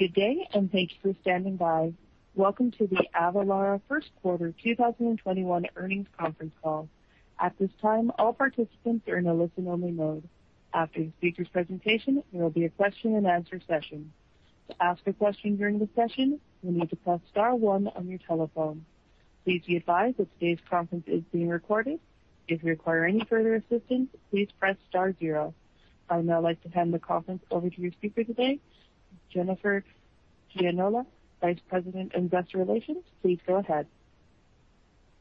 Good day, and thanks for standing by. Welcome to the Avalara Q1 2021 Earnings Conference Call. At this time, all participants are in a listen-only mode. After the speaker's presentation, there will be a question and answer session. To ask a question during the session, you'll need to press star one on your telephone. Please be advised that today's conference is being recorded. If you require any further assistance, please press star zero. I would now like to hand the conference over to your speaker today, Jennifer Gianola, Vice President of Investor Relations. Please go ahead.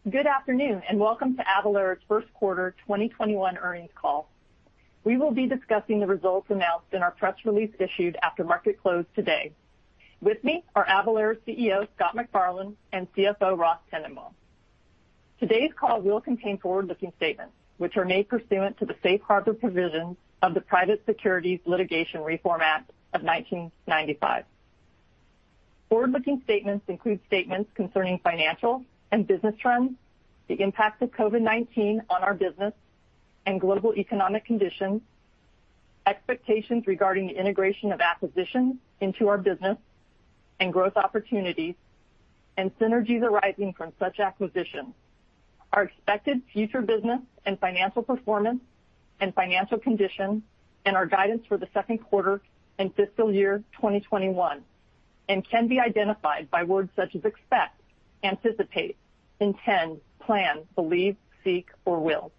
Good afternoon, welcome to Avalara's Q1 2021 earnings call. We will be discussing the results announced in our press release issued after market close today. With me are Avalara's CEO, Scott McFarlane, and CFO, Ross Tennenbaum. Today's call will contain forward-looking statements, which are made pursuant to the safe harbor provisions of the Private Securities Litigation Reform Act of 1995. Forward-looking statements include statements concerning financial and business trends, the impact of COVID-19 on our business and global economic conditions, expectations regarding the integration of acquisitions into our business and growth opportunities, and synergies arising from such acquisitions, Our expected future business and financial performance and financial conditions, and our guidance for the Q2 and fiscal year 2021 and can be identified by words such as expect, anticipate, intend, plan, believe, seek, or will.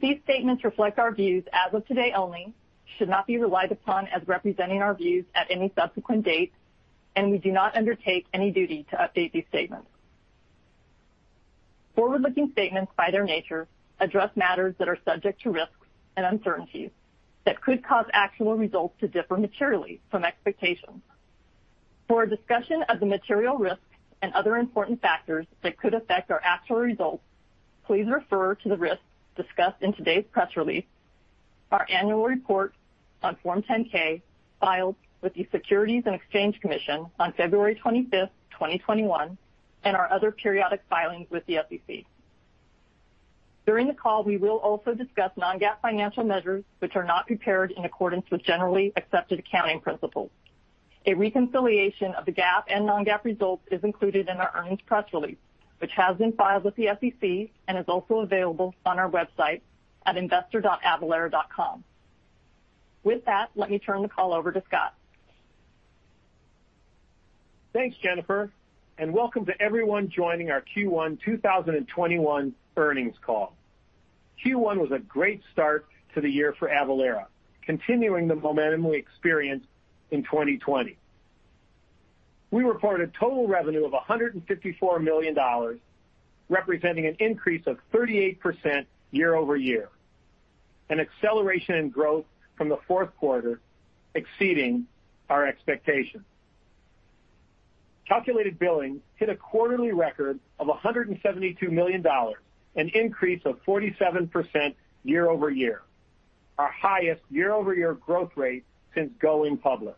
These statements reflect our views as of today only, should not be relied upon as representing our views at any subsequent date, and we do not undertake any duty to update these statements. Forward-looking statements, by their nature, address matters that are subject to risks and uncertainties that could cause actual results to differ materially from expectations. For a discussion of the material risks and other important factors that could affect our actual results, please refer to the risks discussed in today's press release, our annual report on Form 10-K filed with the Securities and Exchange Commission on February 25th, 2021, and our other periodic filings with the SEC. During the call, we will also discuss non-GAAP financial measures, which are not prepared in accordance with generally accepted accounting principles. A reconciliation of the GAAP and non-GAAP results is included in our earnings press release, which has been filed with the SEC and is also available on our website at investor.avalara.com. With that, let me turn the call over to Scott. Thanks, Jennifer. Welcome to everyone joining our Q1 2021 earnings call. Q1 was a great start to the year for Avalara, continuing the momentum we experienced in 2020. We reported total revenue of $154 million, representing an increase of 38% year-over-year, an acceleration in growth from the Q4 exceeding our expectations. Calculated billing hit a quarterly record of $172 million, an increase of 47% year-over-year, our highest year-over-year growth rate since going public.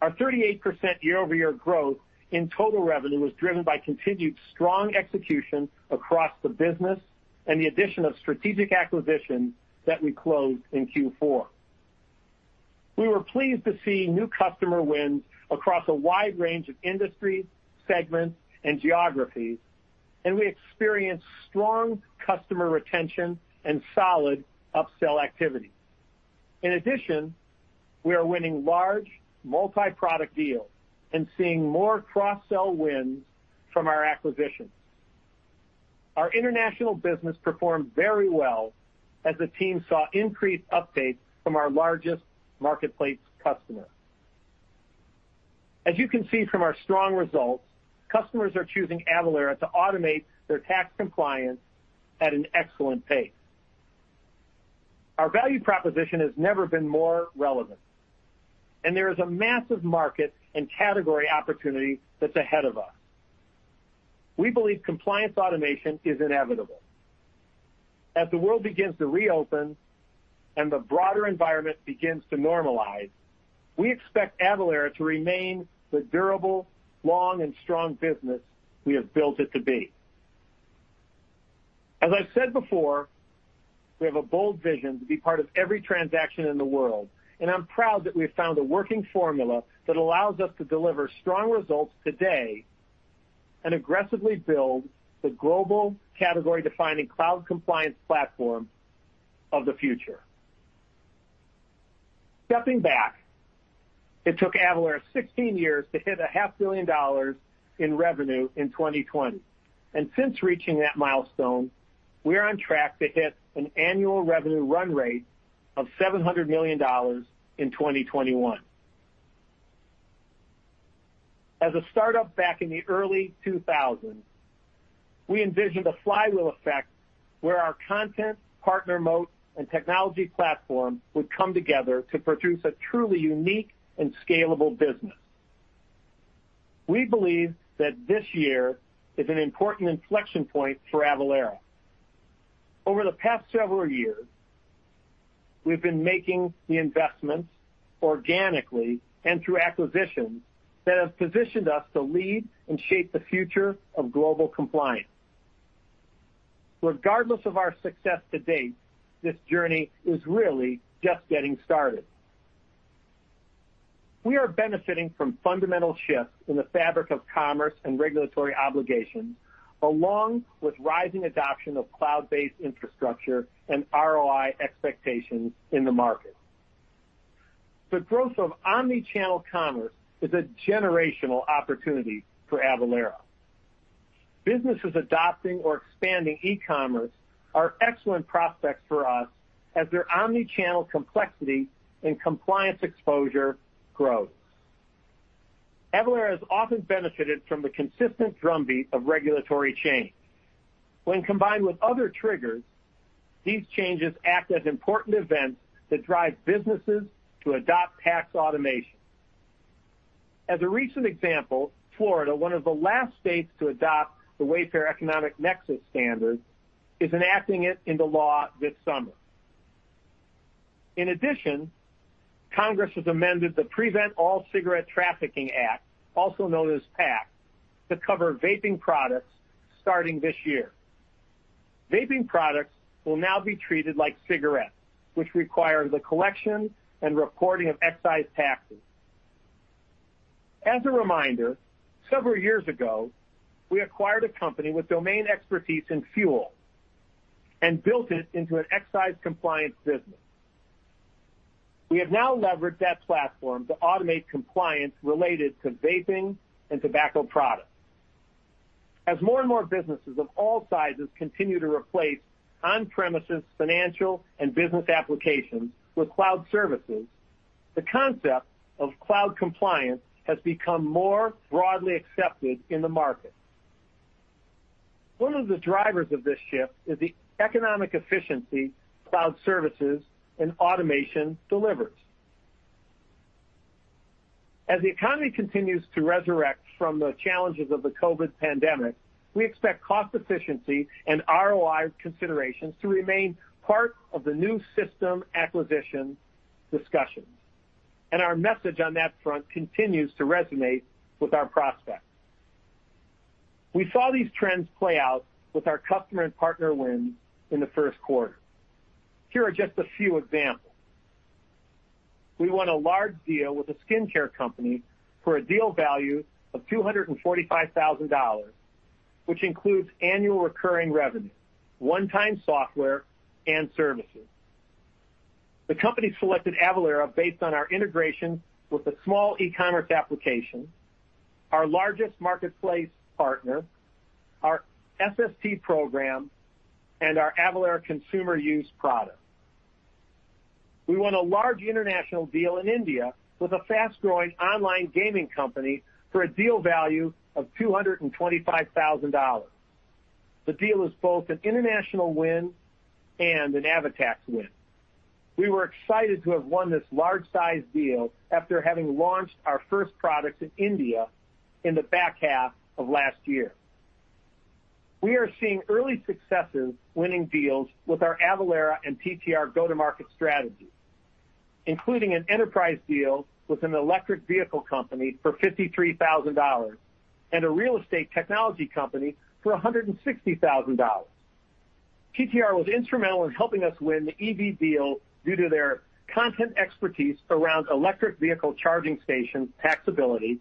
Our 38% year-over-year growth in total revenue was driven by continued strong execution across the business and the addition of strategic acquisitions that we closed in Q4. We were pleased to see new customer wins across a wide range of industries, segments, and geographies. We experienced strong customer retention and solid upsell activity. In addition, we are winning large multi-product deals and seeing more cross-sell wins from our acquisitions. Our international business performed very well as the team saw increased uptake from our largest marketplace customer. As you can see from our strong results, customers are choosing Avalara to automate their tax compliance at an excellent pace. Our value proposition has never been more relevant, and there is a massive market and category opportunity that's ahead of us. We believe compliance automation is inevitable. As the world begins to reopen and the broader environment begins to normalize, we expect Avalara to remain the durable, long, and strong business we have built it to be. As I've said before, we have a bold vision to be part of every transaction in the world, and I'm proud that we've found a working formula that allows us to deliver strong results today and aggressively build the global category-defining cloud compliance platform of the future. Stepping back, it took Avalara 16 years to hit a half billion dollars in revenue in 2020, and since reaching that milestone, we are on track to hit an annual revenue run rate of $700 million in 2021. As a startup back in the early 2000s, we envisioned a flywheel effect where our content, partner mode, and technology platform would come together to produce a truly unique and scalable business. We believe that this year is an important inflection point for Avalara. Over the past several years, we've been making the investments organically and through acquisitions that have positioned us to lead and shape the future of global compliance. Regardless of our success to date, this journey is really just getting started. We are benefiting from fundamental shifts in the fabric of commerce and regulatory obligations, along with rising adoption of cloud-based infrastructure and ROI expectations in the market. The growth of omni-channel commerce is a generational opportunity for Avalara. Businesses adopting or expanding e-commerce are excellent prospects for us as their omni-channel complexity and compliance exposure grows. Avalara has often benefited from the consistent drumbeat of regulatory change. When combined with other triggers, these changes act as important events that drive businesses to adopt tax automation. As a recent example, Florida, one of the last states to adopt the Wayfair economic nexus standard, is enacting it into law this summer. In addition, Congress has amended the Prevent All Cigarette Trafficking Act, also known as PACT, to cover vaping products starting this year. Vaping products will now be treated like cigarettes, which require the collection and reporting of excise taxes. As a reminder, several years ago, we acquired a company with domain expertise in fuel and built it into an excise compliance business. We have now leveraged that platform to automate compliance related to vaping and tobacco products. As more and more businesses of all sizes continue to replace on-premises financial and business applications with cloud services, the concept of cloud compliance has become more broadly accepted in the market. One of the drivers of this shift is the economic efficiency cloud services and automation delivers. As the economy continues to resurrect from the challenges of the COVID pandemic, we expect cost efficiency and ROI considerations to remain part of the new system acquisition discussions, and our message on that front continues to resonate with our prospects. We saw these trends play out with our customer and partner wins in the Q1. Here are just a few examples. We won a large deal with a skincare company for a deal value of $245,000, which includes annual recurring revenue, one-time software, and services. The company selected Avalara based on our integration with a small e-commerce application, our largest marketplace partner, our SST program, and our Avalara Consumer Use product. We won a large international deal in India with a fast-growing online gaming company for a deal value of $225,000. The deal is both an international win and an AvaTax win. We were excited to have won this large size deal after having launched our first product in India in the back half of last year. We are seeing early successes winning deals with our Avalara and TTR go-to-market strategy, including an enterprise deal with an electric vehicle company for $53,000 and a real estate technology company for $160,000. TTR was instrumental in helping us win the EV deal due to their content expertise around electric vehicle charging station taxability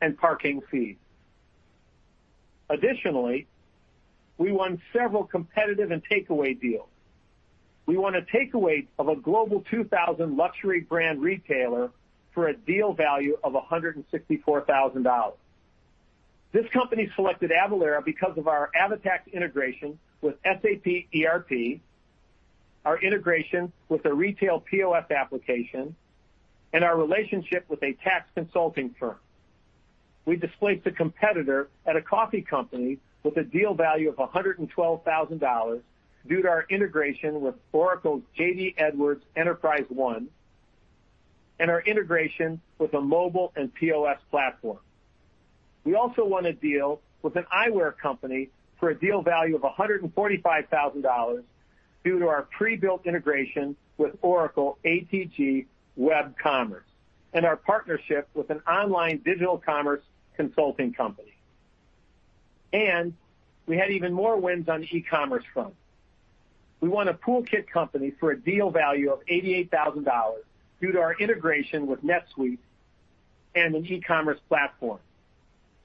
and parking fees. Additionally, we won several competitive and takeaway deals. We won a takeaway of a Global 2000 luxury brand retailer for a deal value of $164,000. This company selected Avalara because of our AvaTax integration with SAP ERP, our integration with the retail POS application, and our relationship with a tax consulting firm. We displaced a competitor at a coffee company with a deal value of $112,000 due to our integration with Oracle's JD Edwards EnterpriseOne and our integration with a mobile and POS platform. We also won a deal with an eyewear company for a deal value of $145,000 due to our pre-built integration with Oracle ATG Web Commerce and our partnership with an online digital commerce consulting company. We had even more wins on the e-commerce front. We won a pool kit company for a deal value of $88,000 due to our integration with NetSuite and an e-commerce platform.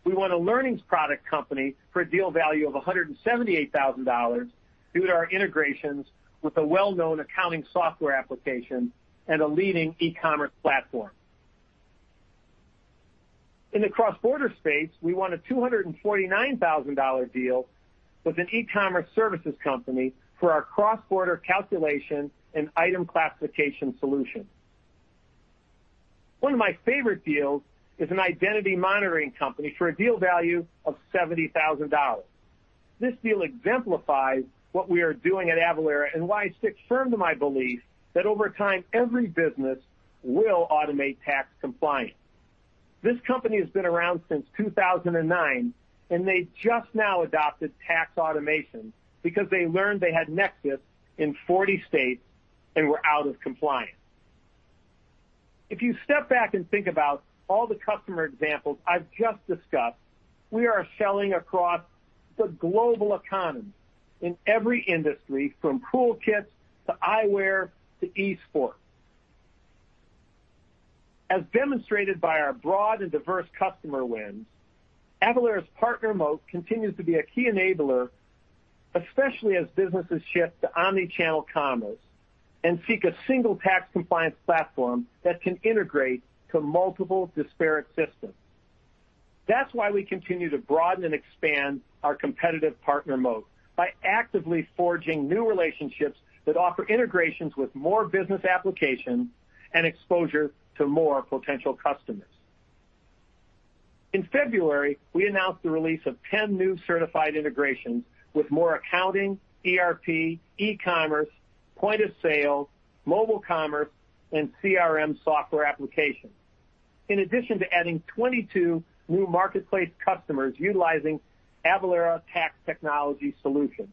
We won a learnings product company for a deal value of $178,000 due to our integrations with a well-known accounting software application and a leading e-commerce platform. In the cross-border space, we won a $249,000 deal with an e-commerce services company for our cross-border calculation and item classification solution. One of my favorite deals is an identity monitoring company for a deal value of $70,000. This deal exemplifies what we are doing at Avalara and why I stick firm to my belief that over time, every business will automate tax compliance. This company has been around since 2009, and they just now adopted tax automation because they learned they had nexus in 40 states and were out of compliance. If you step back and think about all the customer examples I've just discussed, we are selling across the global economy in every industry, from pool kits to eyewear to esports. As demonstrated by our broad and diverse customer wins, Avalara's partner moat continues to be a key enabler, especially as businesses shift to omni-channel commerce and seek a single tax compliance platform that can integrate to multiple disparate systems. That's why we continue to broaden and expand our competitive partner moat by actively forging new relationships that offer integrations with more business applications and exposure to more potential customers. In February, we announced the release of 10 new certified integrations with more accounting, ERP, e-commerce, point of sale, mobile commerce, and CRM software applications. In addition to adding 22 new marketplace customers utilizing Avalara tax technology solutions.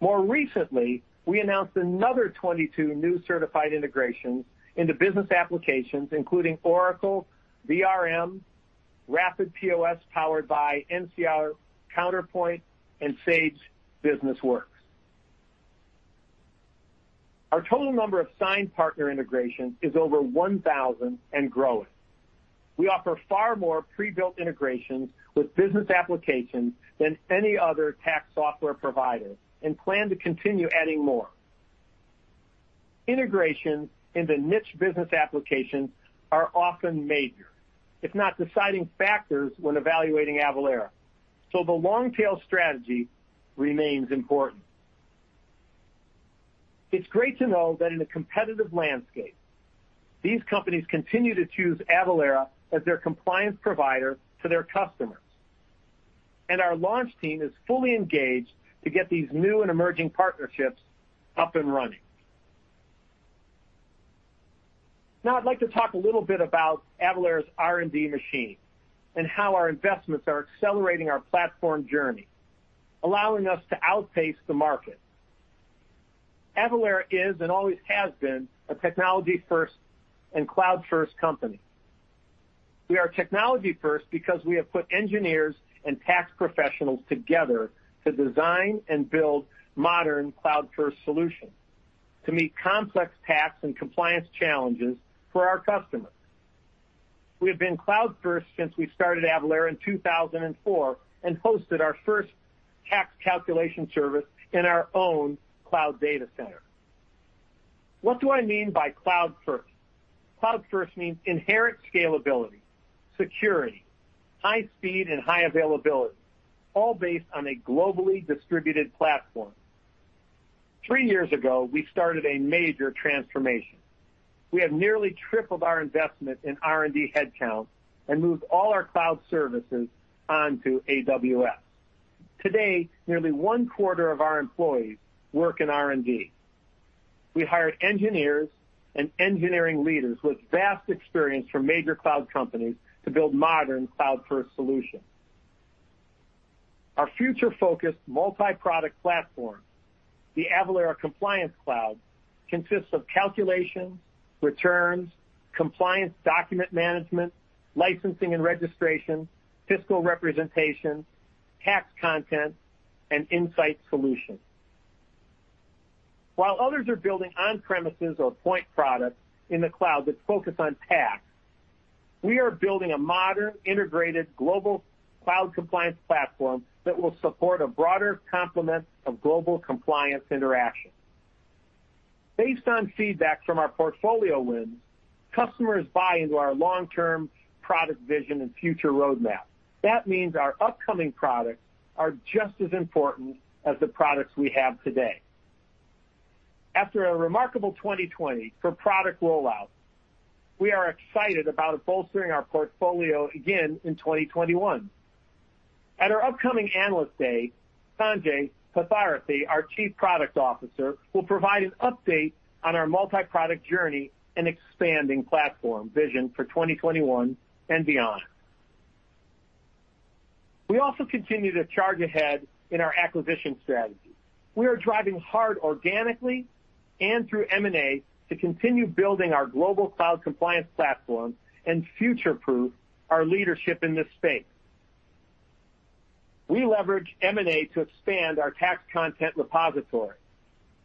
More recently, we announced another 22 new certified integrations into business applications, including Oracle BRM, Rapid POS powered by NCR Counterpoint, and Sage BusinessWorks. Our total number of signed partner integrations is over 1,000 and growing. We offer far more pre-built integrations with business applications than any other tax software provider and plan to continue adding more. Integration into niche business applications are often major, if not deciding factors when evaluating Avalara. The long-tail strategy remains important. It's great to know that in a competitive landscape, these companies continue to choose Avalara as their compliance provider to their customers. Our launch team is fully engaged to get these new and emerging partnerships up and running. Now I'd like to talk a little bit about Avalara's R&D machine and how our investments are accelerating our platform journey, allowing us to outpace the market. Avalara is and always has been a technology-first and cloud-first company. We are technology first because we have put engineers and tax professionals together to design and build modern cloud-first solutions to meet complex tax and compliance challenges for our customers. We have been cloud first since we started Avalara in 2004 and hosted our first tax calculation service in our own cloud data center. What do I mean by cloud first? Cloud first means inherent scalability, security, high speed, and high availability, all based on a globally distributed platform. Three years ago, we started a major transformation. We have nearly tripled our investment in R&D head count and moved all our cloud services onto AWS. Today, nearly one-quarter of our employees work in R&D. We hired engineers and engineering leaders with vast experience from major cloud companies to build modern cloud-first solutions. Our future-focused multi-product platform, the Avalara Compliance Cloud, consists of calculations, returns, compliance document management, licensing and registration, fiscal representation, tax content, and insight solutions. While others are building on-premises or point products in the cloud that focus on tax, we are building a modern, integrated global cloud compliance platform that will support a broader complement of global compliance interactions. Based on feedback from our portfolio wins, customers buy into our long-term product vision and future roadmap. That means our upcoming products are just as important as the products we have today. After a remarkable 2020 for product rollouts, we are excited about bolstering our portfolio again in 2021. At our upcoming Analyst Day, Sanjay Parthasarathy, our Chief Product Officer, will provide an update on our multi-product journey and expanding platform vision for 2021 and beyond. We also continue to charge ahead in our acquisition strategy. We are driving hard organically and through M&A to continue building our global cloud compliance platform and future-proof our leadership in this space. We leverage M&A to expand our tax content repository,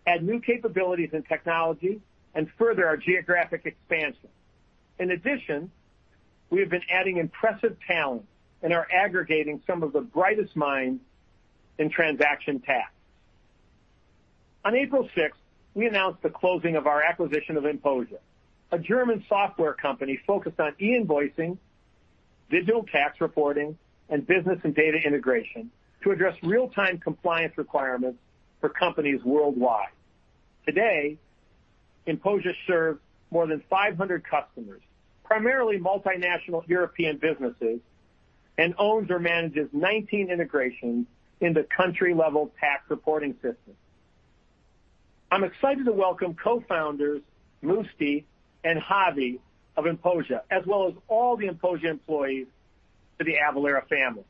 add new capabilities and technology, and further our geographic expansion. In addition, we have been adding impressive talent and are aggregating some of the brightest minds in transaction tax. On April 6th, we announced the closing of our acquisition of INPOSIA, a German software company focused on e-invoicing, digital tax reporting, and business and data integration to address real-time compliance requirements for companies worldwide. Today, INPOSIA serves more than 500 customers, primarily multinational European businesses, and owns or manages 19 integrations into country-level tax reporting systems. I'm excited to welcome co-founders Musti and Javi of INPOSIA, as well as all the INPOSIA employees to the Avalara family.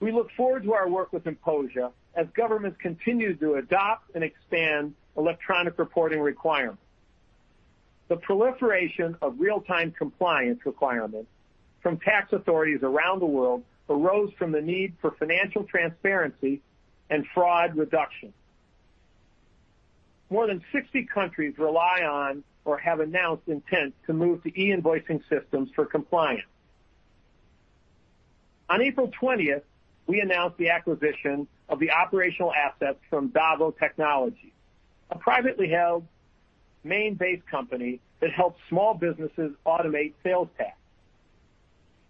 We look forward to our work with INPOSIA as governments continue to adopt and expand electronic reporting requirements. The proliferation of real-time compliance requirements from tax authorities around the world arose from the need for financial transparency and fraud reduction. More than 60 countries rely on or have announced intent to move to e-invoicing systems for compliance. On April 20th, we announced the acquisition of the operational assets from DAVO Technologies, a privately held Maine-based company that helps small businesses automate sales tax.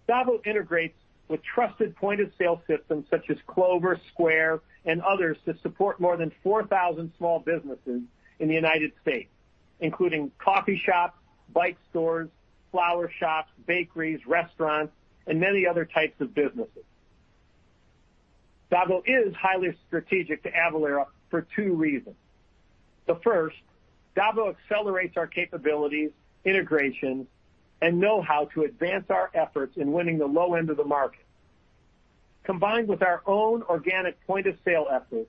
DAVO integrates with trusted point-of-sale systems such as Clover, Square, and others to support more than 4,000 small businesses in the United States, including coffee shops, bike stores, flower shops, bakeries, restaurants, and many other types of businesses. DAVO is highly strategic to Avalara for two reasons. The first, DAVO accelerates our capabilities, integration, and know-how to advance our efforts in winning the low end of the market. Combined with our own organic point-of-sale efforts,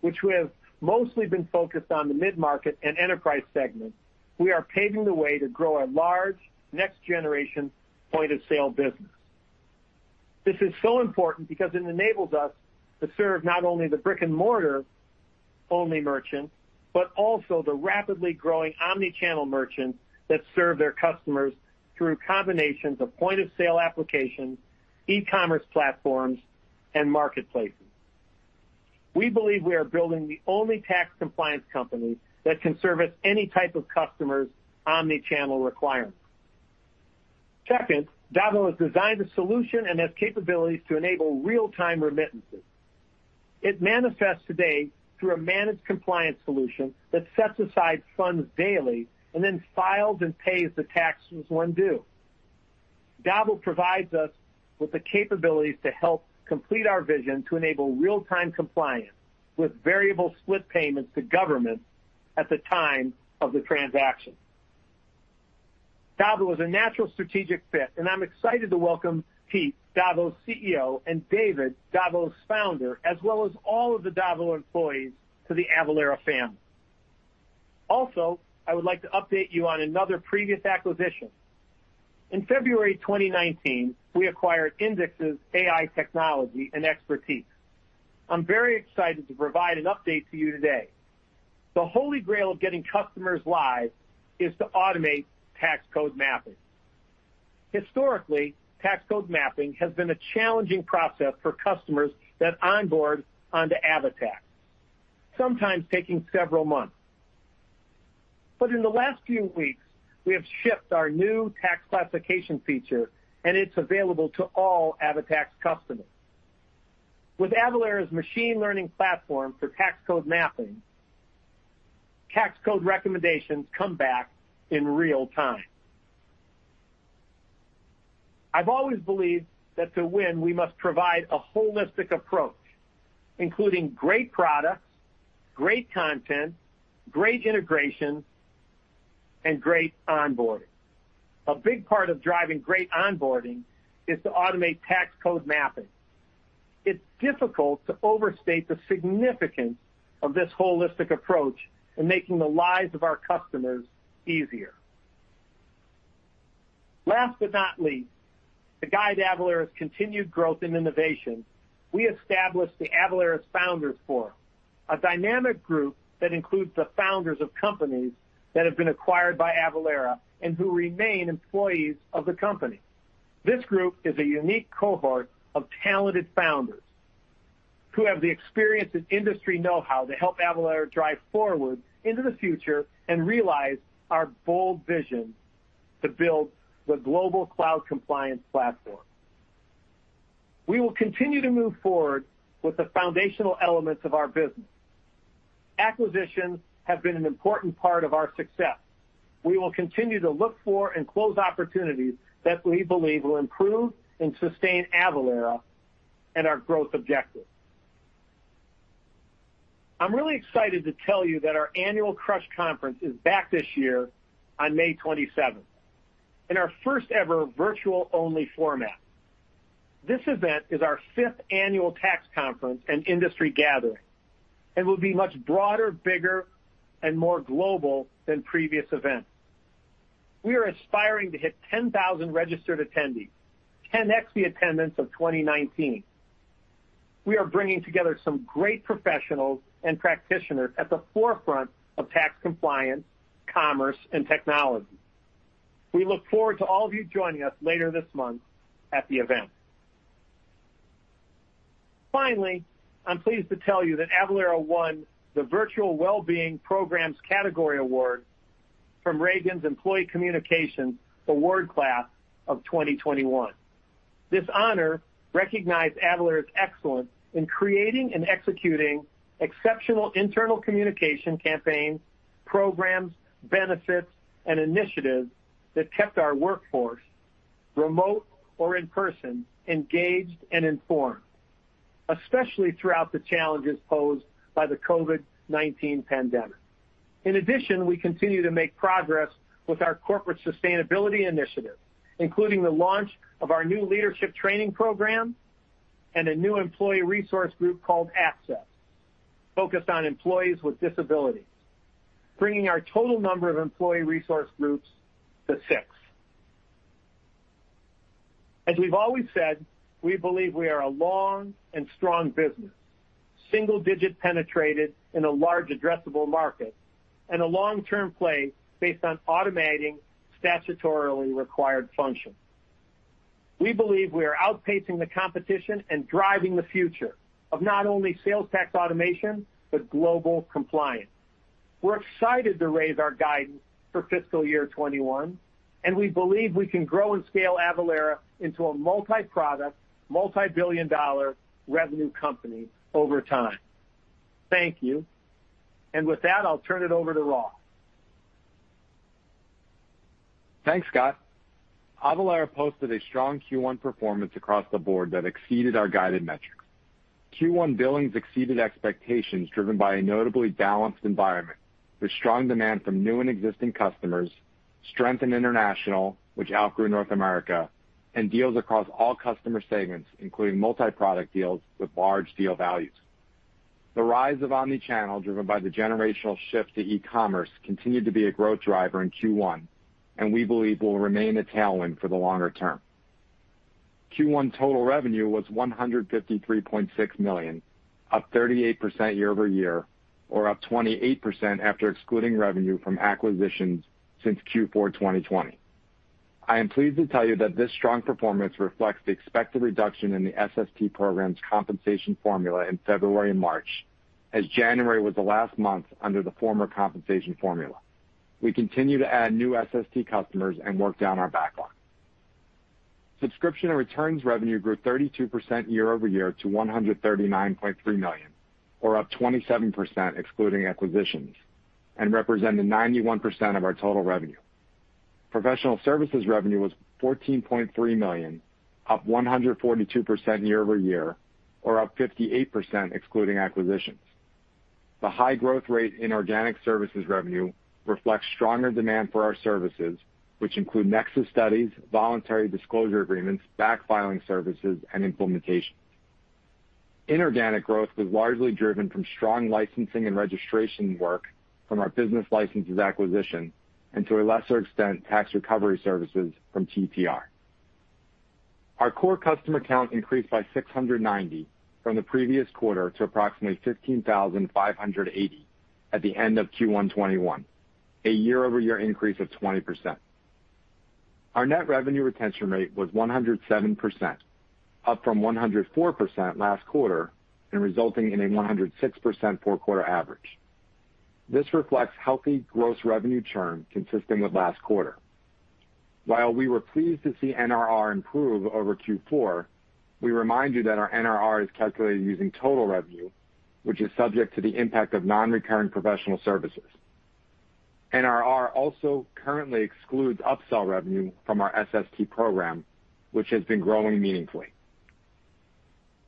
which we have mostly been focused on the mid-market and enterprise segments, we are paving the way to grow a large, next-generation point-of-sale business. This is so important because it enables us to serve not only the brick-and-mortar-only merchants, but also the rapidly growing omni-channel merchants that serve their customers through combinations of point-of-sale applications, e-commerce platforms, and marketplaces. We believe we are building the only tax compliance company that can service any type of customer's omni-channel requirements. Second, DAVO has designed a solution and has capabilities to enable real-time remittances. It manifests today through a managed compliance solution that sets aside funds daily and then files and pays the taxes when due. DAVO provides us with the capabilities to help complete our vision to enable real-time compliance with variable split payments to government at the time of the transaction. DAVO is a natural strategic fit, and I'm excited to welcome Pete, DAVO's CEO, and David, DAVO's founder, as well as all of the DAVO employees to the Avalara family. I would like to update you on another previous acquisition. In February 2019, we acquired Indix's AI technology and expertise. I'm very excited to provide an update to you today. The holy grail of getting customers live is to automate tax code mapping. Historically, tax code mapping has been a challenging process for customers that onboard onto AvaTax, sometimes taking several months. In the last few weeks, we have shipped our new tax classification feature, and it's available to all AvaTax customers. With Avalara's machine learning platform for tax code mapping, tax code recommendations come back in real time. I've always believed that to win, we must provide a holistic approach, including great products, great content, great integration, and great onboarding. A big part of driving great onboarding is to automate tax code mapping. It's difficult to overstate the significance of this holistic approach in making the lives of our customers easier. Last but not least, to guide Avalara's continued growth and innovation, we established the Avalara Founders Forum, a dynamic group that includes the founders of companies that have been acquired by Avalara and who remain employees of the company. This group is a unique cohort of talented founders who have the experience and industry know-how to help Avalara drive forward into the future and realize our bold vision to build the global cloud compliance platform. We will continue to move forward with the foundational elements of our business. Acquisitions have been an important part of our success. We will continue to look for and close opportunities that we believe will improve and sustain Avalara and our growth objectives. I'm really excited to tell you that our annual CRUSH conference is back this year on May 27th in our first ever virtual-only format. This event is our fifth annual tax conference and industry gathering. It will be much broader, bigger, and more global than previous events. We are aspiring to hit 10,000 registered attendees, 10x the attendance of 2019. We are bringing together some great professionals and practitioners at the forefront of tax compliance, commerce, and technology. We look forward to all of you joining us later this month at the event. Finally, I'm pleased to tell you that Avalara won the Virtual Wellbeing Programs Category award from Ragan's Employee Communications Awards Class of 2021. This honor recognized Avalara's excellence in creating and executing exceptional internal communication campaigns, programs, benefits, and initiatives that kept our workforce, remote or in person, engaged and informed, especially throughout the challenges posed by the COVID-19 pandemic. In addition, we continue to make progress with our corporate sustainability initiative, including the launch of our new leadership training program and a new employee resource group called Access, focused on employees with disabilities, bringing our total number of employee resource groups to six. As we've always said, we believe we are a long and strong business, single-digit penetrated in a large addressable market, and a long-term play based on automating statutorily required functions. We believe we are outpacing the competition and driving the future of not only sales tax automation, but global compliance. We're excited to raise our guidance for fiscal year 2021, and we believe we can grow and scale Avalara into a multi-product, multi-billion-dollar revenue company over time. Thank you. With that, I'll turn it over to Ross. Thanks, Scott. Avalara posted a strong Q1 performance across the board that exceeded our guided metrics. Q1 billings exceeded expectations driven by a notably balanced environment with strong demand from new and existing customers, strength in international, which outgrew North America, and deals across all customer segments, including multi-product deals with large deal values. The rise of omni-channel, driven by the generational shift to e-commerce, continued to be a growth driver in Q1, and we believe will remain a tailwind for the longer term. Q1 total revenue was $153.6 million, up 38% year-over-year, or up 28% after excluding revenue from acquisitions since Q4 2020. I am pleased to tell you that this strong performance reflects the expected reduction in the SST program's compensation formula in February and March, as January was the last month under the former compensation formula. We continue to add new SST customers and work down our backlog. Subscription and returns revenue grew 32% year-over-year to $139.3 million, or up 27% excluding acquisitions, represented 91% of our total revenue. Professional services revenue was $14.3 million, up 142% year-over-year, or up 58% excluding acquisitions. The high growth rate in organic services revenue reflects stronger demand for our services, which include nexus studies, voluntary disclosure agreements, back filing services, and implementation. Inorganic growth was largely driven from strong licensing and registration work from our Business Licenses acquisition, and to a lesser extent, tax recovery services from TTR. Our core customer count increased by 690 from the previous quarter to approximately 15,580 at the end of Q1 2021, a year-over-year increase of 20%. Our net revenue retention rate was 107%, up from 104% last quarter, resulting in a 106% four-quarter average. This reflects healthy gross revenue churn consistent with last quarter. While we were pleased to see NRR improve over Q4, we remind you that our NRR is calculated using total revenue, which is subject to the impact of non-recurring professional services. NRR also currently excludes upsell revenue from our SST program, which has been growing meaningfully.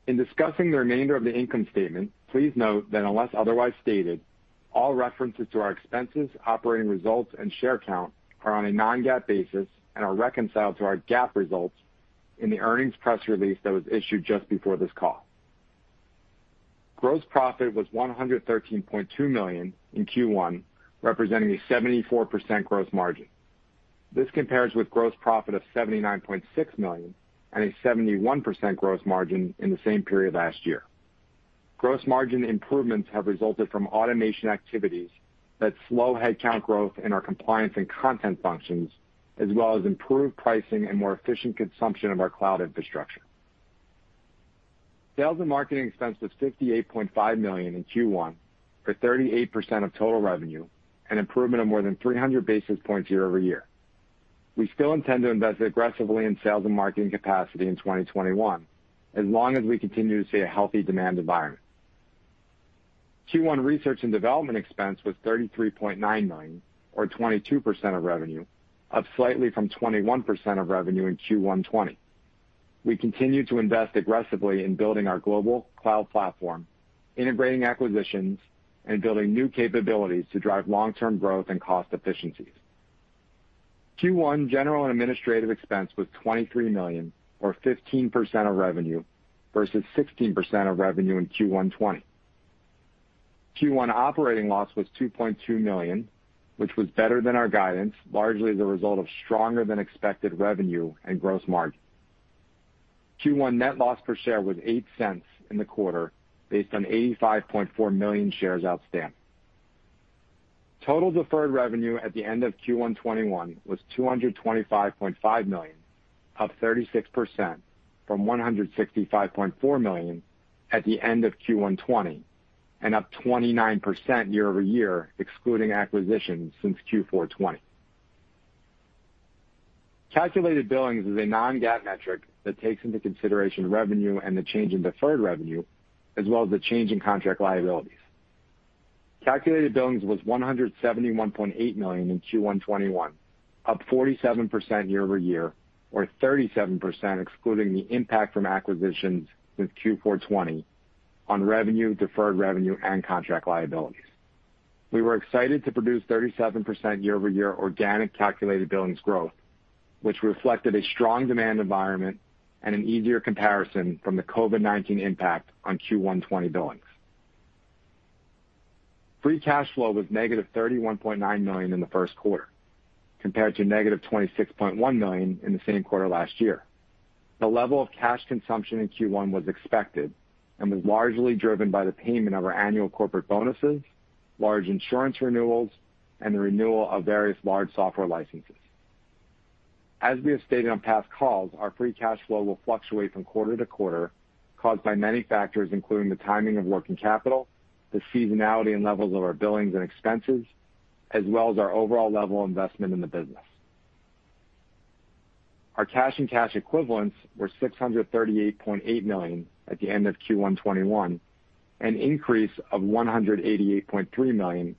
In discussing the remainder of the income statement, please note that unless otherwise stated, all references to our expenses, operating results, and share count are on a non-GAAP basis and are reconciled to our GAAP results in the earnings press release that was issued just before this call. Gross profit was $113.2 million in Q1, representing a 74% gross margin. This compares with gross profit of $79.6 million and a 71% gross margin in the same period last year. Gross margin improvements have resulted from automation activities that slow headcount growth in our compliance and content functions, as well as improved pricing and more efficient consumption of our cloud infrastructure. Sales and marketing expense was $58.5 million in Q1, for 38% of total revenue, an improvement of more than 300 basis points year-over-year. We still intend to invest aggressively in sales and marketing capacity in 2021, as long as we continue to see a healthy demand environment. Q1 research and development expense was $33.9 million, or 22% of revenue, up slightly from 21% of revenue in Q1 2020. We continue to invest aggressively in building our global cloud platform, integrating acquisitions and building new capabilities to drive long-term growth and cost efficiencies. Q1 general and administrative expense was $23 million, or 15% of revenue, versus 16% of revenue in Q1 2020. Q1 operating loss was $2.2 million, which was better than our guidance, largely as a result of stronger than expected revenue and gross margin. Q1 net loss per share was $0.08 in the quarter, based on 85.4 million shares outstanding. Total deferred revenue at the end of Q1 2021 was $225.5 million, up 36% from $165.4 million at the end of Q1 2020, and up 29% year-over-year excluding acquisitions since Q4 2020. Calculated billings is a non-GAAP metric that takes into consideration revenue and the change in deferred revenue, as well as the change in contract liabilities. Calculated billings was $171.8 million in Q1 2021, up 47% year-over-year, or 37% excluding the impact from acquisitions with Q4 2020 on revenue, deferred revenue, and contract liabilities. We were excited to produce 37% year-over-year organic calculated billings growth, which reflected a strong demand environment and an easier comparison from the COVID-19 impact on Q1 2020 billings. Free cash flow was -$31.9 million in the Q1, compared to -$26.1 million in the same quarter last year. The level of cash consumption in Q1 was expected and was largely driven by the payment of our annual corporate bonuses, large insurance renewals, and the renewal of various large software licenses. As we have stated on past calls, our free cash flow will fluctuate from quarter-to-quarter caused by many factors, including the timing of working capital, the seasonality and levels of our billings and expenses, as well as our overall level of investment in the business. Our cash and cash equivalents were $638.8 million at the end of Q1 2021, an increase of $188.3 million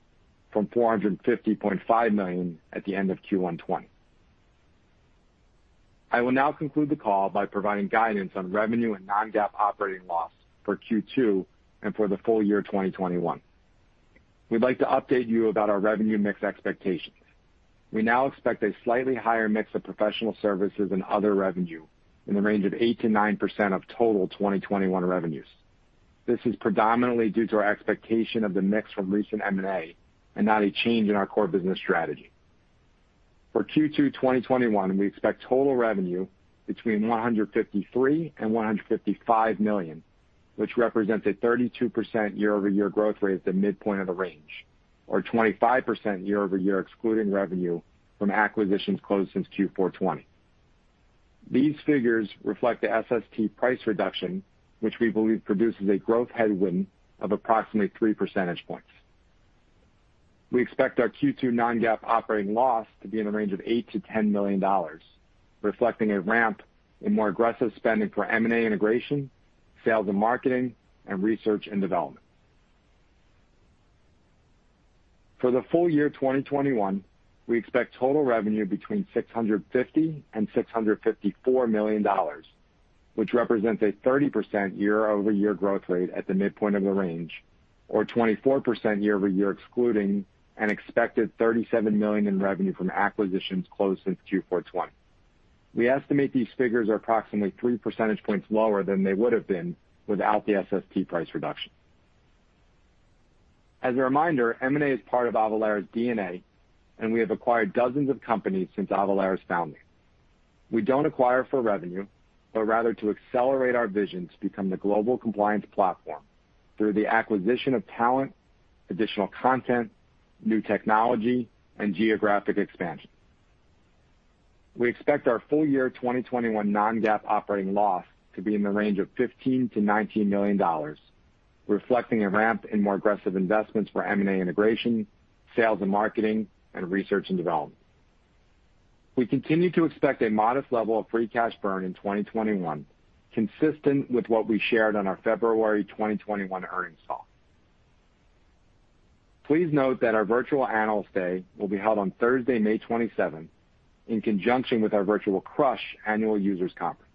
from $450.5 million at the end of Q1 2020. I will now conclude the call by providing guidance on revenue and non-GAAP operating loss for Q2 and for the full year 2021. We'd like to update you about our revenue mix expectations. We now expect a slightly higher mix of professional services and other revenue in the range of 8%-9% of total 2021 revenues. This is predominantly due to our expectation of the mix from recent M&A and not a change in our core business strategy. For Q2 2021, we expect total revenue between $153 million and $155 million, which represents a 32% year-over-year growth rate at the midpoint of the range, or 25% year-over-year excluding revenue from acquisitions closed since Q4 2020. These figures reflect the SST price reduction, which we believe produces a growth headwind of approximately three percentage points. We expect our Q2 non-GAAP operating loss to be in the range of $8 million-$10 million, reflecting a ramp in more aggressive spending for M&A integration, sales and marketing, and research and development. For the full year 2021, we expect total revenue between $650 million and $654 million, which represents a 30% year-over-year growth rate at the midpoint of the range, or 24% year-over-year excluding an expected $37 million in revenue from acquisitions closed since Q4 2020. We estimate these figures are approximately three percentage points lower than they would have been without the SST price reduction. As a reminder, M&A is part of Avalara's DNA, and we have acquired dozens of companies since Avalara's founding. We don't acquire for revenue, but rather to accelerate our vision to become the global compliance platform through the acquisition of talent, additional content, new technology, and geographic expansion. We expect our full year 2021 non-GAAP operating loss to be in the range of $15 million-$19 million, reflecting a ramp in more aggressive investments for M&A integration, sales and marketing, and research and development. We continue to expect a modest level of free cash burn in 2021, consistent with what we shared on our February 2021 earnings call. Please note that our virtual Analyst Day will be held on Thursday, May 27th, in conjunction with our virtual CRUSH annual users conference.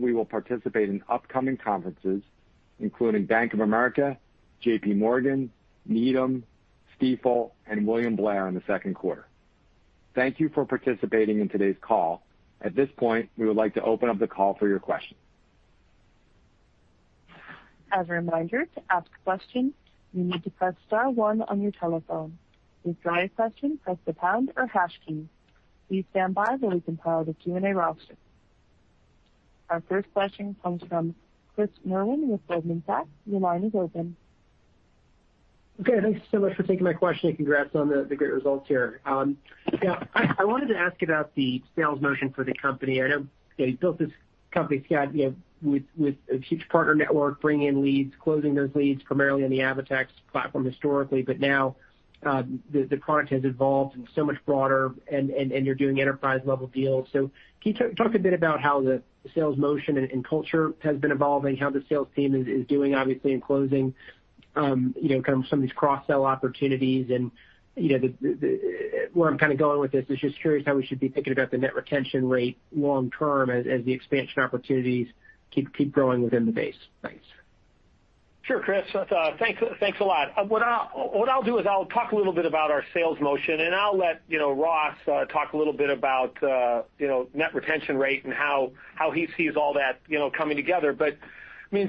We will participate in upcoming conferences, including Bank of America, JPMorgan, Needham, Stifel, and William Blair in the Q2. Thank you for participating in today's call. At this point, we would like to open up the call for your questions. Our first question comes from Chris Merwin with Goldman Sachs. Your line is open. Okay. Thanks so much for taking my question. Congrats on the great results here. Now, I wanted to ask about the sales motion for the company. I know you built this company, Scott, with a huge partner network, bringing in leads, closing those leads, primarily on the AvaTax platform historically. Now the product has evolved and so much broader, and you're doing enterprise-level deals. Can you talk a bit about how the sales motion and culture has been evolving, how the sales team is doing, obviously, in closing some of these cross-sell opportunities? Where I'm going with this is just curious how we should be thinking about the net retention rate long term as the expansion opportunities keep growing within the base. Thanks. Sure, Chris. Thanks a lot. What I'll do is I'll talk a little bit about our sales motion, and I'll let Ross talk a little bit about net retention rate and how he sees all that coming together.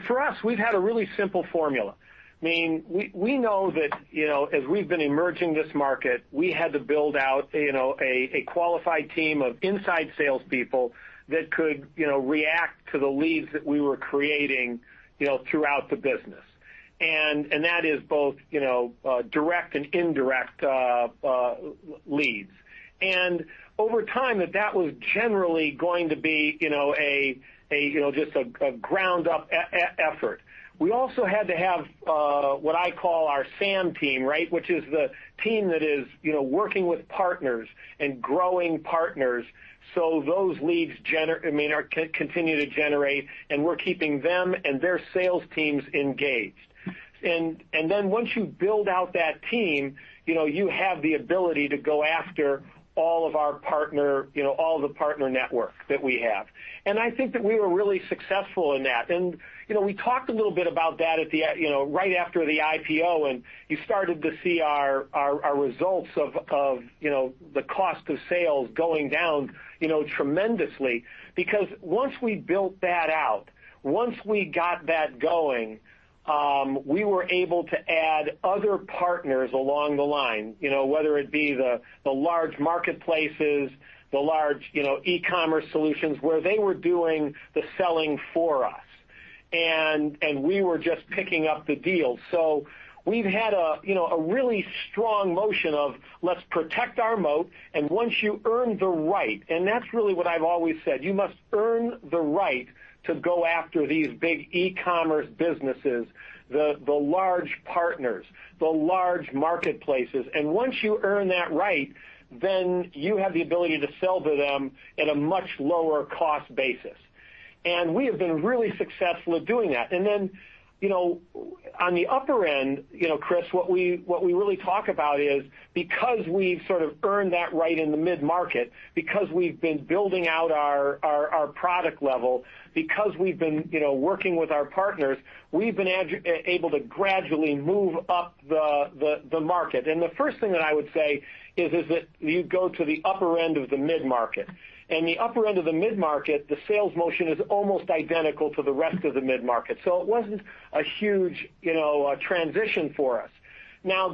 For us, we've had a really simple formula. We know that as we've been emerging this market, we had to build out a qualified team of inside salespeople that could react to the leads that we were creating throughout the business. That is both direct and indirect leads. Over time, that was generally going to be just a ground-up effort. We also had to have what I call our SAM team, which is the team that is working with partners and growing partners. Those leads continue to generate, and we're keeping them and their sales teams engaged. Once you build out that team, you have the ability to go after all of the partner network that we have. I think that we were really successful in that. We talked a little bit about that right after the IPO, and you started to see our results of the cost of sales going down tremendously. Once we built that out, once we got that going, we were able to add other partners along the line, whether it be the large marketplaces, the large e-commerce solutions, where they were doing the selling for us, and we were just picking up the deals. We've had a really strong motion of let's protect our moat, and once you earn the right, and that's really what I've always said, you must earn the right to go after these big e-commerce businesses, the large partners, the large marketplaces. Once you earn that right, then you have the ability to sell to them at a much lower cost basis. We have been really successful at doing that. On the upper end, Chris, what we really talk about is, because we've sort of earned that right in the mid-market, because we've been building out our product level, because we've been working with our partners, we've been able to gradually move up the market. The first thing that I would say is that you go to the upper end of the mid-market. The upper end of the mid-market, the sales motion is almost identical to the rest of the mid-market. It wasn't a huge transition for us.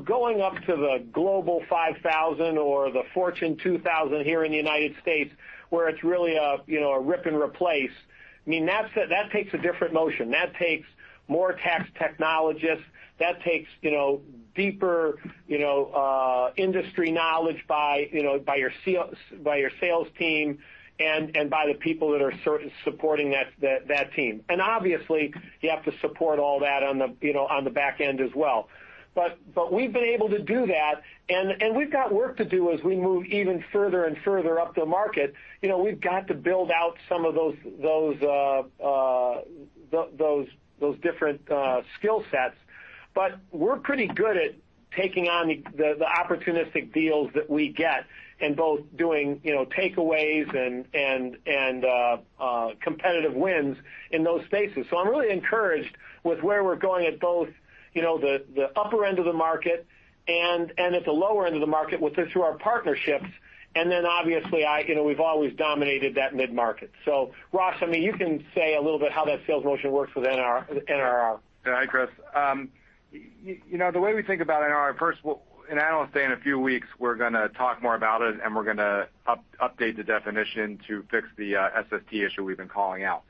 Going up to the Global 5000 or the Fortune 2000 here in the United States, where it's really a rip and replace, that takes a different motion. That takes more tax technologists. That takes deeper industry knowledge by your sales team and by the people that are supporting that team. Obviously, you have to support all that on the back end as well. We've been able to do that, and we've got work to do as we move even further and further up the market. We've got to build out some of those different skill sets, but we're pretty good at taking on the opportunistic deals that we get in both doing takeaways and competitive wins in those spaces. I'm really encouraged with where we're going at both the upper end of the market and at the lower end of the market through our partnerships. Obviously, we've always dominated that mid-market. Ross, you can say a little bit how that sales motion works with NRR. Hi, Chris. The way we think about NRR. Analyst Day in a few weeks, we're going to talk more about it, and we're going to update the definition to fix the SST issue we've been calling out.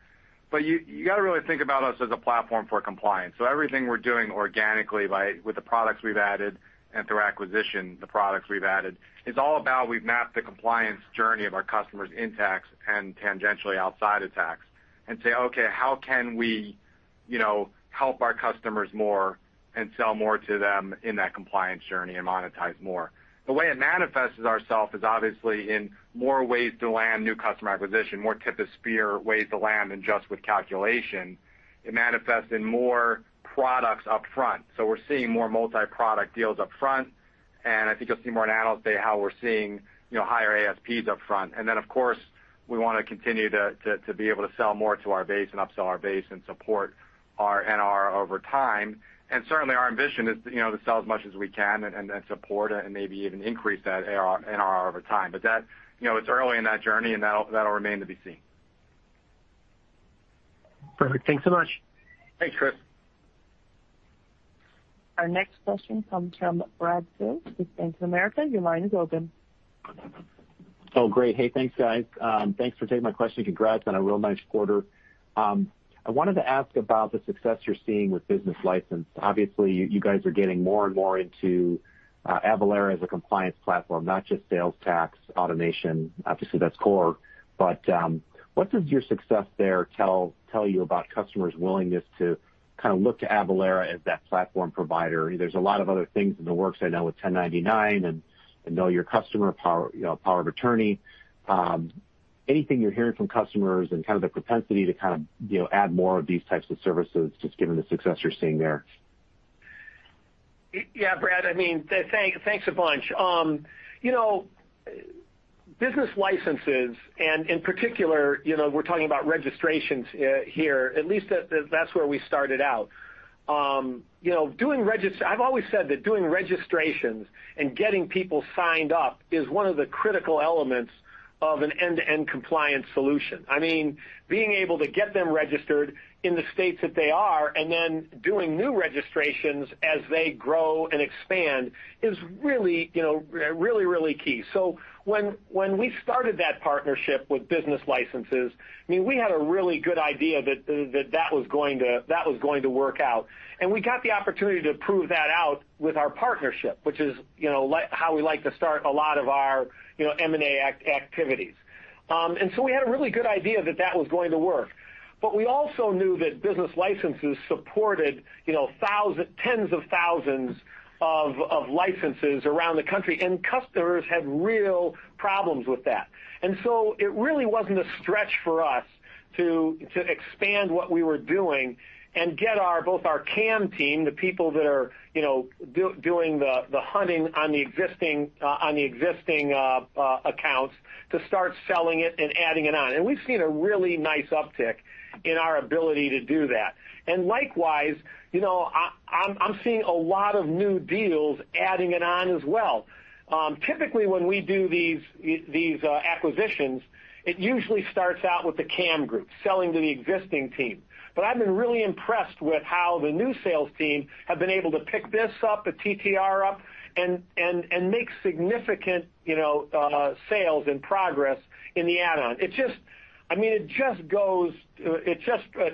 You got to really think about us as a platform for compliance. Everything we're doing organically with the products we've added and through acquisition, The products we've added, is all about we've mapped the compliance journey of our customers in tax and tangentially outside of tax, and say, "Okay, how can we help our customers more and sell more to them in that compliance journey and monetize more?" The way it manifests itself is obviously in more ways to land new customer acquisition, more tip-of-spear ways to land than just with calculation. It manifests in more products upfront. We're seeing more multi-product deals upfront, I think you'll see more in Analyst Day how we're seeing higher ASPs upfront. Of course, we want to continue to be able to sell more to our base and upsell our base and support our NRR over time. Certainly, our ambition is to sell as much as we can and support and maybe even increase that NRR over time. It's early in that journey, and that'll remain to be seen. Perfect. Thanks so much. Thanks, Chris. Our next question comes from Brad Sills with Bank of America. Your line is open. Oh, great. Hey, thanks, guys. Thanks for taking my question. Congrats on a real nice quarter. I wanted to ask about the success you're seeing with Business Licenses. Obviously, you guys are getting more and more into Avalara as a compliance platform, not just sales tax automation. Obviously, that's core, but what does your success there tell you about customers' willingness to kind of look to Avalara as that platform provider? There's a lot of other things in the works I know with 1099 and know your customer, power of attorney. Anything you're hearing from customers and kind of the propensity to add more of these types of services, just given the success you're seeing there? Yeah, Brad. Thanks a bunch. Business Licenses, in particular, we're talking about registrations here. At least that's where we started out. I've always said that doing registrations and getting people signed up is one of the critical elements of an end-to-end compliance solution. Being able to get them registered in the states that they are, and then doing new registrations as they grow and expand is really key. When we started that partnership with Business Licenses, we had a really good idea that was going to work out. We got the opportunity to prove that out with our partnership, which is how we like to start a lot of our M&A activities. We had a really good idea that that was going to work. We also knew that Business Licenses supported tens of thousands of licenses around the country, and customers had real problems with that. It really wasn't a stretch for us to expand what we were doing and get both our CAM team, the people that are doing the hunting on the existing accounts, to start selling it and adding it on. We've seen a really nice uptick in our ability to do that. Likewise, I'm seeing a lot of new deals adding it on as well. Typically, when we do these acquisitions, it usually starts out with the CAM group selling to the existing team. I've been really impressed with how the new sales team have been able to pick this up, the TTR up, and make significant sales and progress in the add-on. It's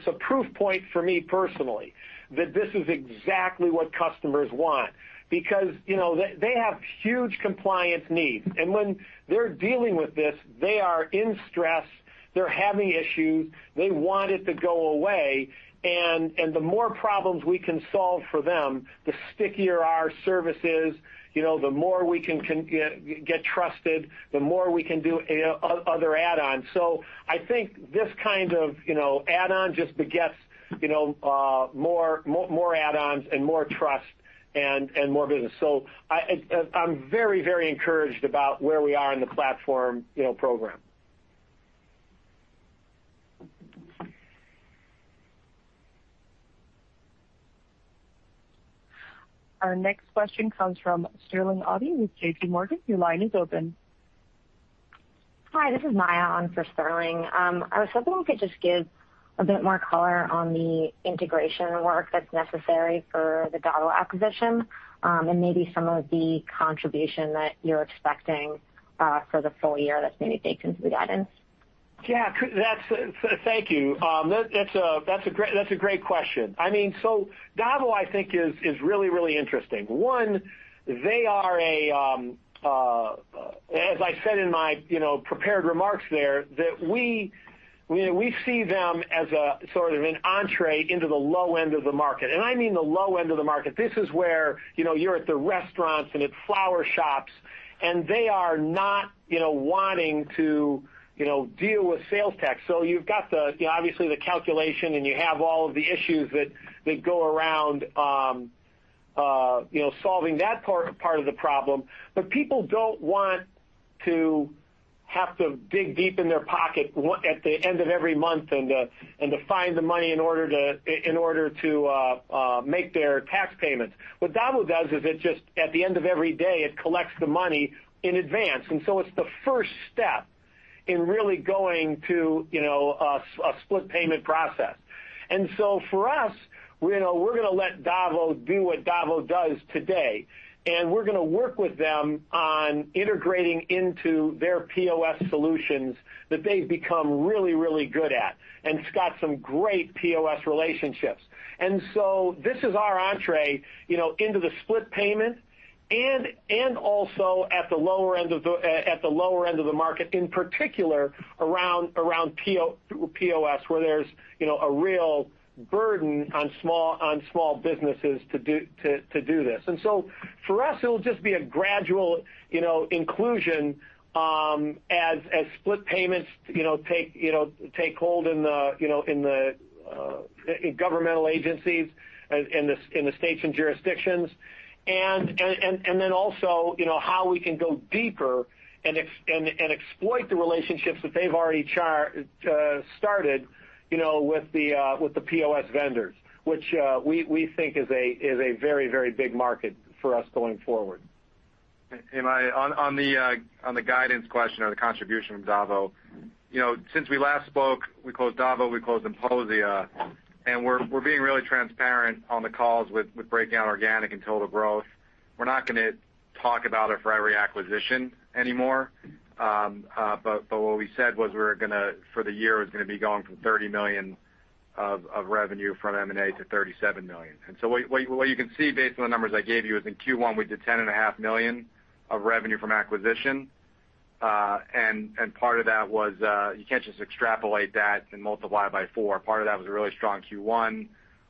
a proof point for me personally, that this is exactly what customers want, because they have huge compliance needs. When they're dealing with this, they are in stress, they're having issues, they want it to go away, and the more problems we can solve for them, the stickier our service is, the more we can get trusted, the more we can do other add-ons. I think this kind of add-on just begets more add-ons and more trust and more business. I'm very encouraged about where we are in the platform program. Our next question comes from Sterling Auty with JPMorgan. Your line is open. Hi, this is Maya on for Sterling. I was hoping we could just give a bit more color on the integration work that's necessary for the DAVO acquisition, and maybe some of the contribution that you're expecting for the full year that's maybe baked into the guidance. Yeah. Thank you. That's a great question. DAVO, I think is really interesting. One, as I said in my prepared remarks there, that we see them as a sort of an entree into the low end of the market, and I mean the low end of the market. This is where you're at the restaurants and at flower shops, and they are not wanting to deal with sales tax. You've got obviously the calculation, and you have all of the issues that go around solving that part of the problem. People don't want to have to dig deep in their pocket at the end of every month and to find the money in order to make their tax payments. What DAVO does is it just, at the end of every day, it collects the money in advance. It's the first step in really going to a split payment process. For us, we're going to let DAVO do what DAVO does today, and we're going to work with them on integrating into their POS solutions that they've become really good at, and it's got some great POS relationships. This is our entree into the split payment, and also at the lower end of the market, in particular around POS, where there's a real burden on small businesses to do this. For us, it'll just be a gradual inclusion as split payments take hold in governmental agencies in the states and jurisdictions. How we can go deeper and exploit the relationships that they've already started with the POS vendors, which we think is a very big market for us going forward. On the guidance question or the contribution from DAVO. Since we last spoke, we closed DAVO, we closed INPOSIA, and we're being really transparent on the calls with breaking out organic and total growth. We're not going to talk about it for every acquisition anymore. What we said was for the year, it was going to be going from $30 million of revenue from M&A to $37 million. What you can see based on the numbers I gave you is in Q1, we did $10.5 million of revenue from acquisition. Part of that was, you can't just extrapolate that and multiply it by four. Part of that was a really strong Q1.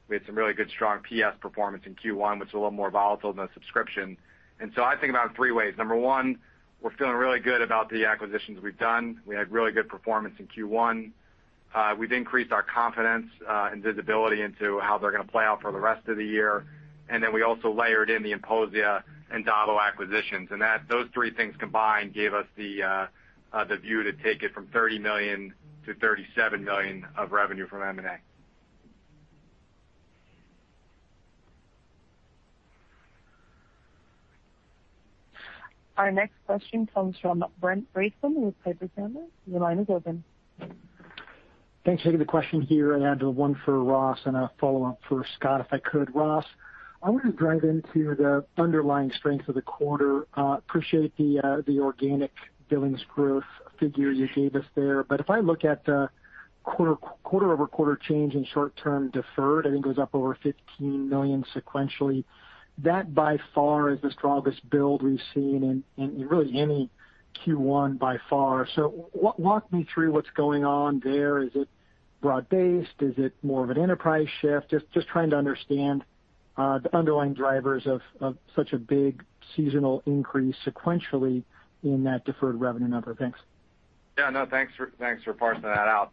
We had some really good strong PS performance in Q1, which is a little more volatile than the subscription. I think about it three ways. Number one, we're feeling really good about the acquisitions we've done. We had really good performance in Q1. We've increased our confidence and visibility into how they're going to play out for the rest of the year. We also layered in the INPOSIA and DAVO acquisitions. Those three things combined gave us the view to take it from $30 million-$37 million of revenue from M&A. Our next question comes from Brent Bracelin with Piper Sandler. Your line is open. Thanks. I get the question here, and I have the one for Ross and a follow-up for Scott, if I could. Ross, I want to drive into the underlying strength of the quarter. Appreciate the organic billings growth figure you gave us there. If I look at the quarter-over-quarter change in short-term deferred, I think it was up over $15 million sequentially. That, by far, is the strongest build we've seen in really any Q1 by far. Walk me through what's going on there. Is it broad-based? Is it more of an enterprise shift? Just trying to understand the underlying drivers of such a big seasonal increase sequentially in that deferred revenue number. Thanks. Yeah, thanks for parsing that out.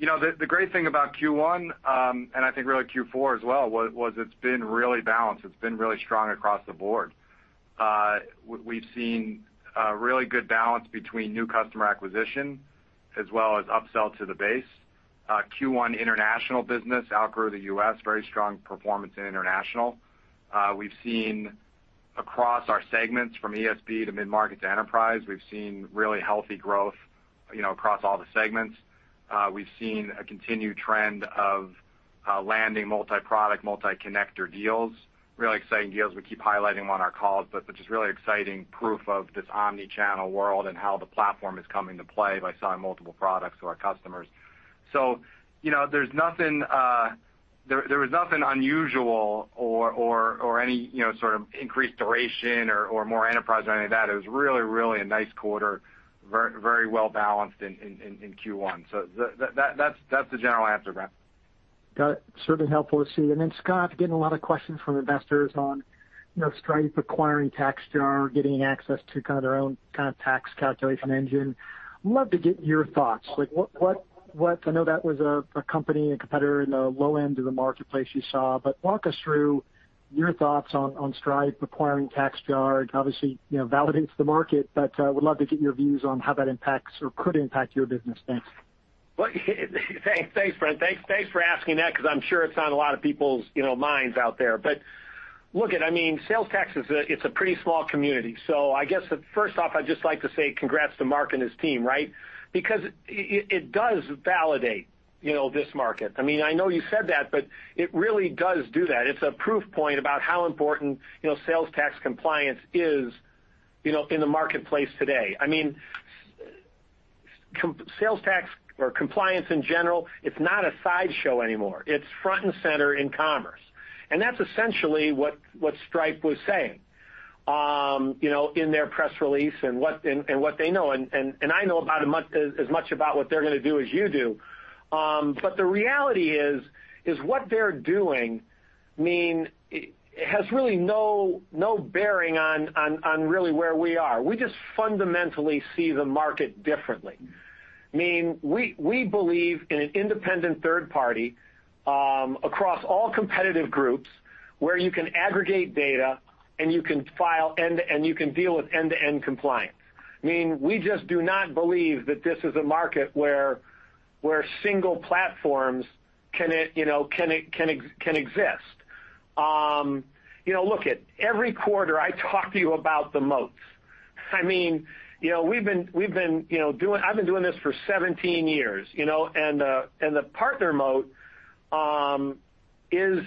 The great thing about Q1, and I think really Q4 as well, was it's been really balanced. It's been really strong across the board. We've seen a really good balance between new customer acquisition as well as upsell to the base. Q1 international business outgrew the U.S., very strong performance in international. We've seen across our segments from ESB to mid-market to enterprise, we've seen really healthy growth across all the segments. We've seen a continued trend of landing multi-product, multi-connector deals, really exciting deals. We keep highlighting them on our calls, just really exciting proof of this omni-channel world and how the platform is coming to play by selling multiple products to our customers. There was nothing unusual or any sort of increased duration or more enterprise or any of that. It was really a nice quarter, very well-balanced in Q1. That's the general answer, Brent. Got it. Certainly helpful to see. Scott, getting a lot of questions from investors on Stripe acquiring TaxJar, getting access to kind of their own tax calculation engine. Love to get your thoughts. I know that was a company and competitor in the low end of the marketplace you saw, but walk us through your thoughts on Stripe acquiring TaxJar. It obviously validates the market, but would love to get your views on how that impacts or could impact your business. Thanks. Well, thanks, Brent. Thanks for asking that, because I'm sure it's on a lot of people's minds out there. Look, sales tax is a pretty small community. I guess, first off, I'd just like to say congrats to Mark and his team. It does validate this market. I know you said that, but it really does do that. It's a proof point about how important sales tax compliance is in the marketplace today. Sales tax or compliance in general, it's not a sideshow anymore. It's front and center in commerce. That's essentially what Stripe was saying in their press release and what they know. I know about as much about what they're going to do as you do. The reality is what they're doing has really no bearing on really where we are. We just fundamentally see the market differently. We believe in an independent third party across all competitive groups where you can aggregate data, and you can deal with end-to-end compliance. We just do not believe that this is a market where single platforms can exist. Look, every quarter, I talk to you about the moats. I've been doing this for 17 years, and the partner moat is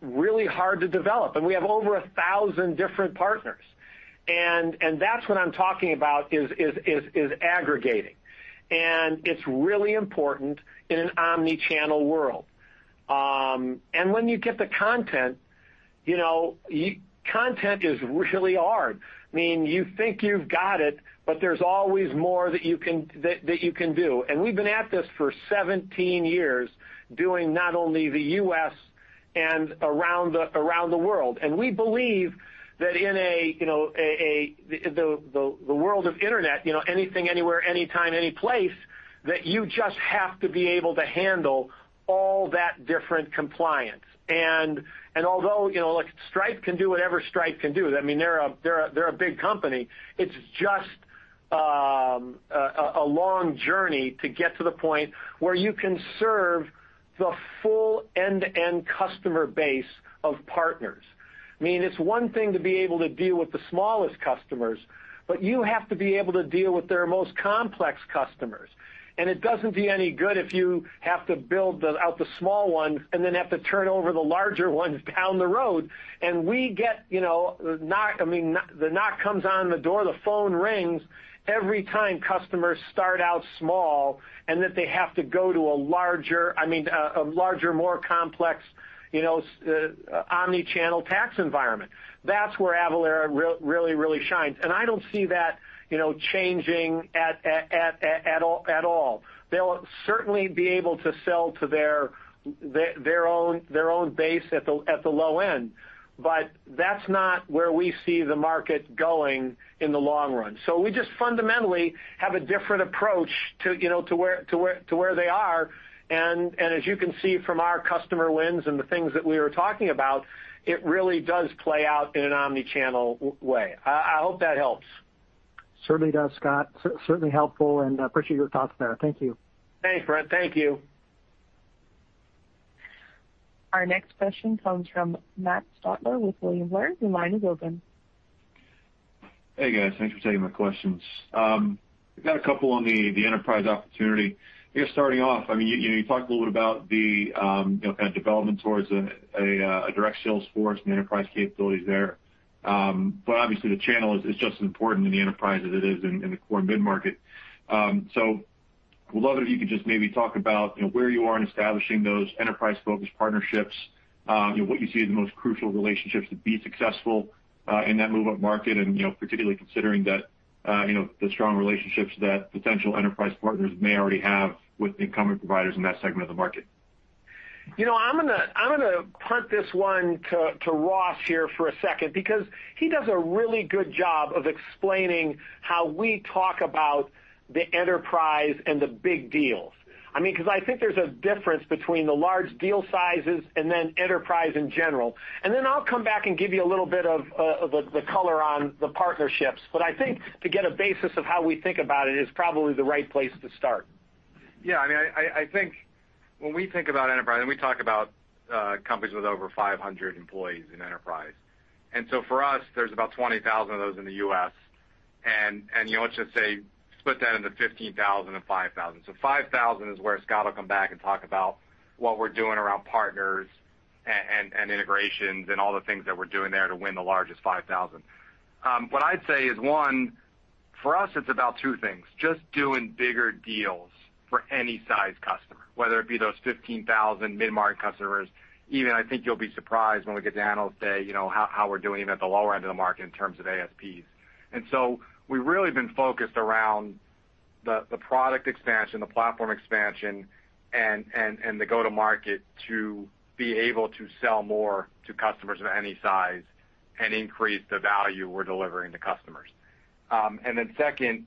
really hard to develop, and we have over 1,000 different partners. That's what I'm talking about is aggregating. It's really important in an omni-channel world. When you get the content is really hard. You think you've got it, but there's always more that you can do. We've been at this for 17 years, doing not only the U.S. and around the world. We believe that in the world of internet, anything, anywhere, anytime, any place, that you just have to be able to handle all that different compliance. Although Stripe can do whatever Stripe can do, they're a big company, it's just a long journey to get to the point where you can serve the full end-to-end customer base of partners. It's one thing to be able to deal with the smallest customers, but you have to be able to deal with their most complex customers. It doesn't do you any good if you have to build out the small ones and then have to turn over the larger ones down the road. The knock comes on the door, the phone rings every time customers start out small and that they have to go to a larger, more complex omni-channel tax environment. That's where Avalara really shines, and I don't see that changing at all. They'll certainly be able to sell to their own base at the low end, but that's not where we see the market going in the long run. We just fundamentally have a different approach to where they are, and as you can see from our customer wins and the things that we were talking about, it really does play out in an omni-channel way. I hope that helps. Certainly does, Scott. Certainly helpful, and appreciate your thoughts there. Thank you. Thanks, Brent. Thank you. Our next question comes from Matt Stotler with William Blair. Your line is open. Hey, guys. Thanks for taking my questions. I've got a couple on the enterprise opportunity. Just starting off, you talked a little bit about the kind of development towards a direct sales force and the enterprise capabilities there. Obviously, the channel is just as important in the enterprise as it is in the core mid-market. Would love it if you could just maybe talk about where you are in establishing those enterprise-focused partnerships, what you see as the most crucial relationships to be successful in that move-up market, and particularly considering the strong relationships that potential enterprise partners may already have with the incumbent providers in that segment of the market. I'm going to punt this one to Ross here for a second, because he does a really good job of explaining how we talk about the enterprise and the big deals. Because I think there's a difference between the large deal sizes and then enterprise in general. I'll come back and give you a little bit of the color on the partnerships. I think to get a basis of how we think about it is probably the right place to start. I think when we think about enterprise, we talk about companies with over 500 employees in enterprise. For us, there's about 20,000 of those in the U.S., let's just say split that into 15,000 and 5,000. 5,000 is where Scott will come back and talk about what we're doing around partners and integrations and all the things that we're doing there to win the largest 5,000. What I'd say is, one, for us, it's about two things. Just doing bigger deals for any size customer, whether it be those 15,000 mid-market customers. Even I think you'll be surprised when we get to Analyst Day, how we're doing at the lower end of the market in terms of ASPs. We've really been focused around the product expansion, the platform expansion, and the go-to-market to be able to sell more to customers of any size and increase the value we're delivering to customers. Second,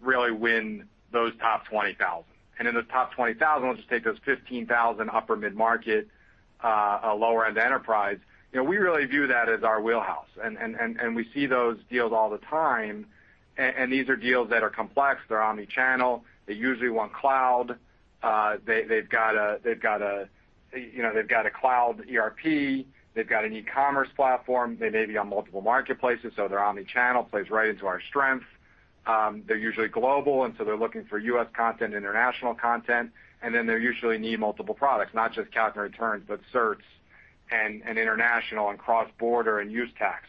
really win those top 20,000. In those top 20,000, let's just take those 15,000 upper mid-market, lower-end enterprise. We really view that as our wheelhouse, and we see those deals all the time. These are deals that are complex. They're omni-channel. They usually want cloud. They've got a cloud ERP. They've got an e-commerce platform. They may be on multiple marketplaces, so their omni-channel plays right into our strength. They're usually global, so they're looking for U.S. content, international content, and then they usually need multiple products, not just accounts and returns, but certs and international and cross-border and use tax.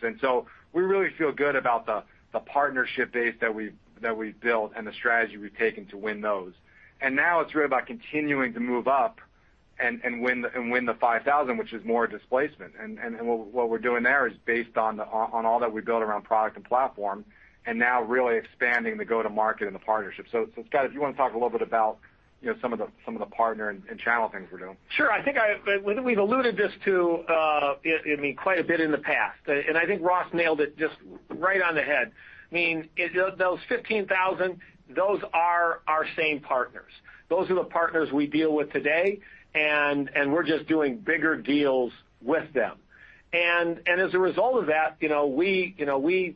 We really feel good about the partnership base that we've built and the strategy we've taken to win those. Now it's really about continuing to move up and win the 5,000, which is more displacement. What we're doing there is based on all that we've built around product and platform, and now really expanding the go-to-market and the partnership. Scott, if you want to talk a little bit about some of the partner and channel things we're doing. Sure. I think we've alluded this to quite a bit in the past, and I think Ross nailed it just right on the head. Those 15,000, those are our same partners. Those are the partners we deal with today, and we're just doing bigger deals with them. As a result of that, we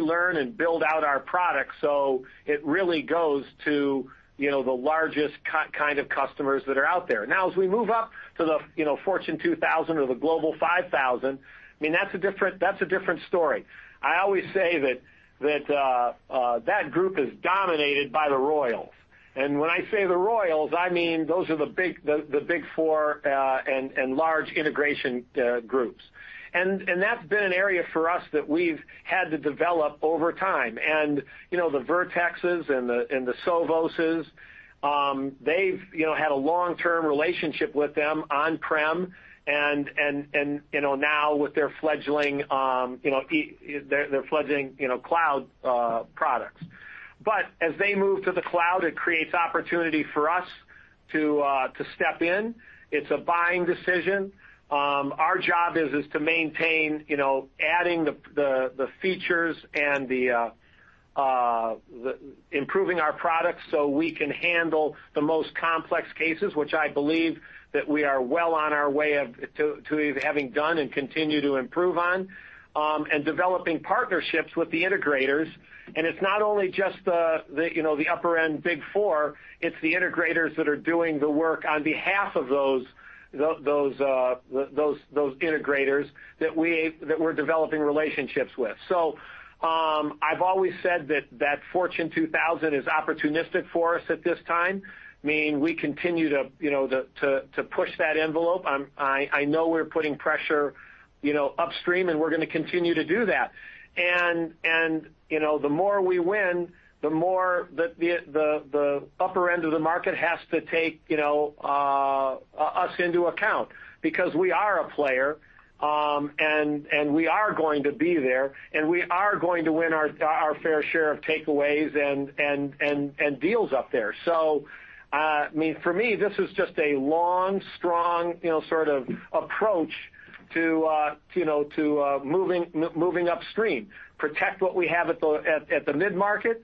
learn and build out our product, so it really goes to the largest kind of customers that are out there. Now, as we move up to the Fortune 2000 or the Global 5000, that's a different story. I always say that that group is dominated by the royals. When I say the royals, I mean those are the Big Four and large integration groups. That's been an area for us that we've had to develop over time. The Vertexes and the Sovos, they've had a long-term relationship with them on-prem, and now with their fledgling cloud products. As they move to the cloud, it creates opportunity for us to step in. It's a buying decision. Our job is to maintain adding the features and improving our products so we can handle the most complex cases, which I believe that we are well on our way to having done and continue to improve on, and developing partnerships with the integrators. It's not only just the upper-end Big Four, It's the integrators that are doing the work on behalf of those integrators that we're developing relationships with. I've always said that Fortune 2000 is opportunistic for us at this time, meaning we continue to push that envelope. I know we're putting pressure upstream, and we're going to continue to do that. The more we win, the more the upper end of the market has to take us into account, because we are a player, and we are going to be there, and we are going to win our fair share of takeaways and deals up there. For me, this is just a long, strong sort of approach to moving upstream. Protect what we have at the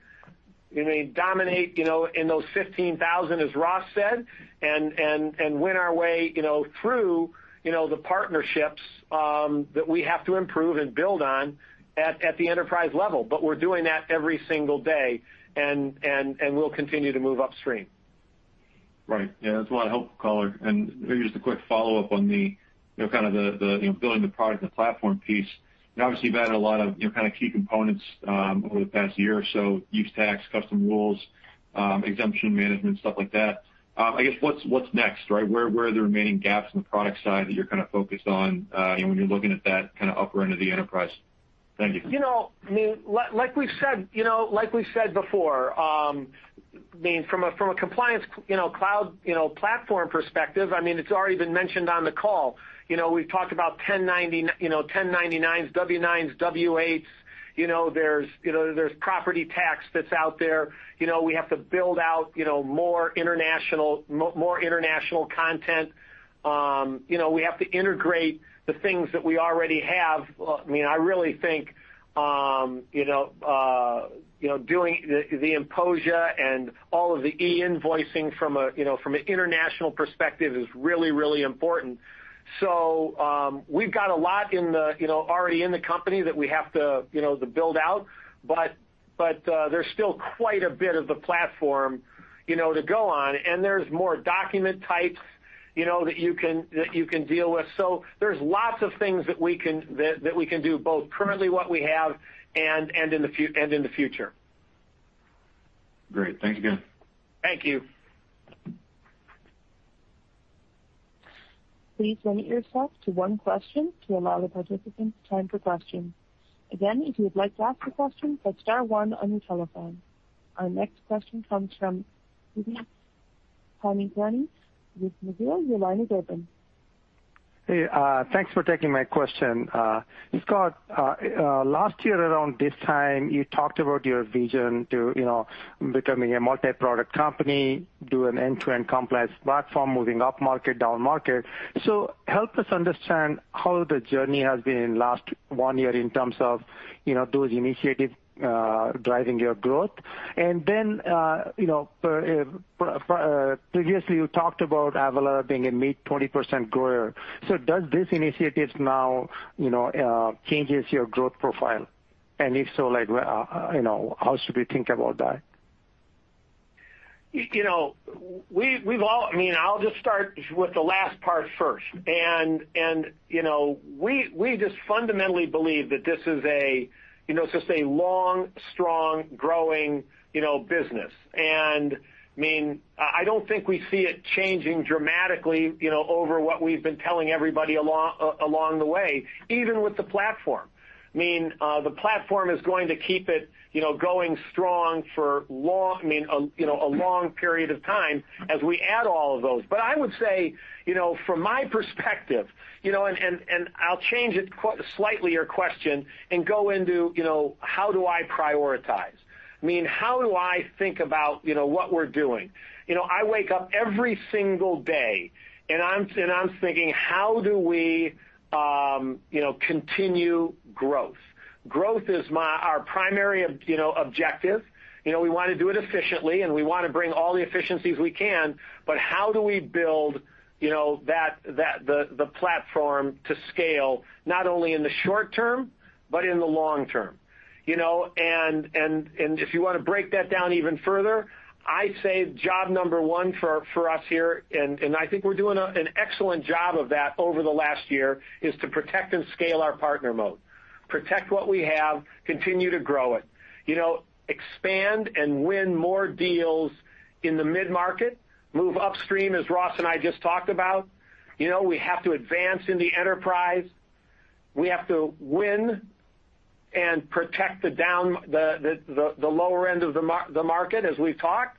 mid-market, dominate in those 15,000, as Ross said, and win our way through the partnerships that we have to improve and build on at the enterprise level. We're doing that every single day, and we'll continue to move upstream. Right. Yeah, that's a lot of helpful color. Maybe just a quick follow-up on the building the product and platform piece. Now, obviously, you've added a lot of key components over the past year or so, use tax, custom rules, exemption management, stuff like that. I guess, what's next? Where are the remaining gaps in the product side that you're focused on when you're looking at that upper end of the enterprise? Thank you. Like we've said before, from a Compliance Cloud platform perspective, it's already been mentioned on the call. We've talked about 1099s, W-9s, W-8s. There's property tax that's out there. We have to build out more international content. We have to integrate the things that we already have. I really think doing the INPOSIA and all of the e-invoicing from an international perspective is really, really important. We've got a lot already in the company that we have to build out. There's still quite a bit of the platform to go on. There's more document types that you can deal with. There's lots of things that we can do, both currently what we have and in the future. Great. Thanks again. Thank you. Please limit yourself to one question to allow the participants time for questions. Again, if you would like to ask a question, press star one on your telephone. Our next question comes from with Sterling Auty. Your line is open. Hey, thanks for taking my question. Scott, last year around this time, you talked about your vision to becoming a multi-product company, do an end-to-end compliance platform, moving upmarket, downmarket. Help us understand how the journey has been in last one year in terms of those initiatives driving your growth. Previously you talked about Avalara being a mid 20% grower. Does this initiative now changes your growth profile? If so, how should we think about that? I'll just start with the last part first. We just fundamentally believe that this is just a long, strong, growing business. I don't think we see it changing dramatically over what we've been telling everybody along the way, even with the platform. The platform is going to keep it going strong for a long period of time as we add all of those. I would say from my perspective, and I'll change it slightly, your question, and go into how do I prioritize? How do I think about what we're doing? I wake up every single day, and I'm thinking, how do we continue growth? Growth is our primary objective. We want to do it efficiently, and we want to bring all the efficiencies we can, but how do we build the platform to scale, not only in the short term, but in the long term? If you want to break that down even further, I say job number one for us here, and I think we're doing an excellent job of that over the last year, is to protect and scale our partner mode. Protect what we have, continue to grow it. Expand and win more deals in the mid-market. Move upstream, as Ross and I just talked about. We have to advance in the enterprise. We have to win and protect the lower end of the market, as we've talked.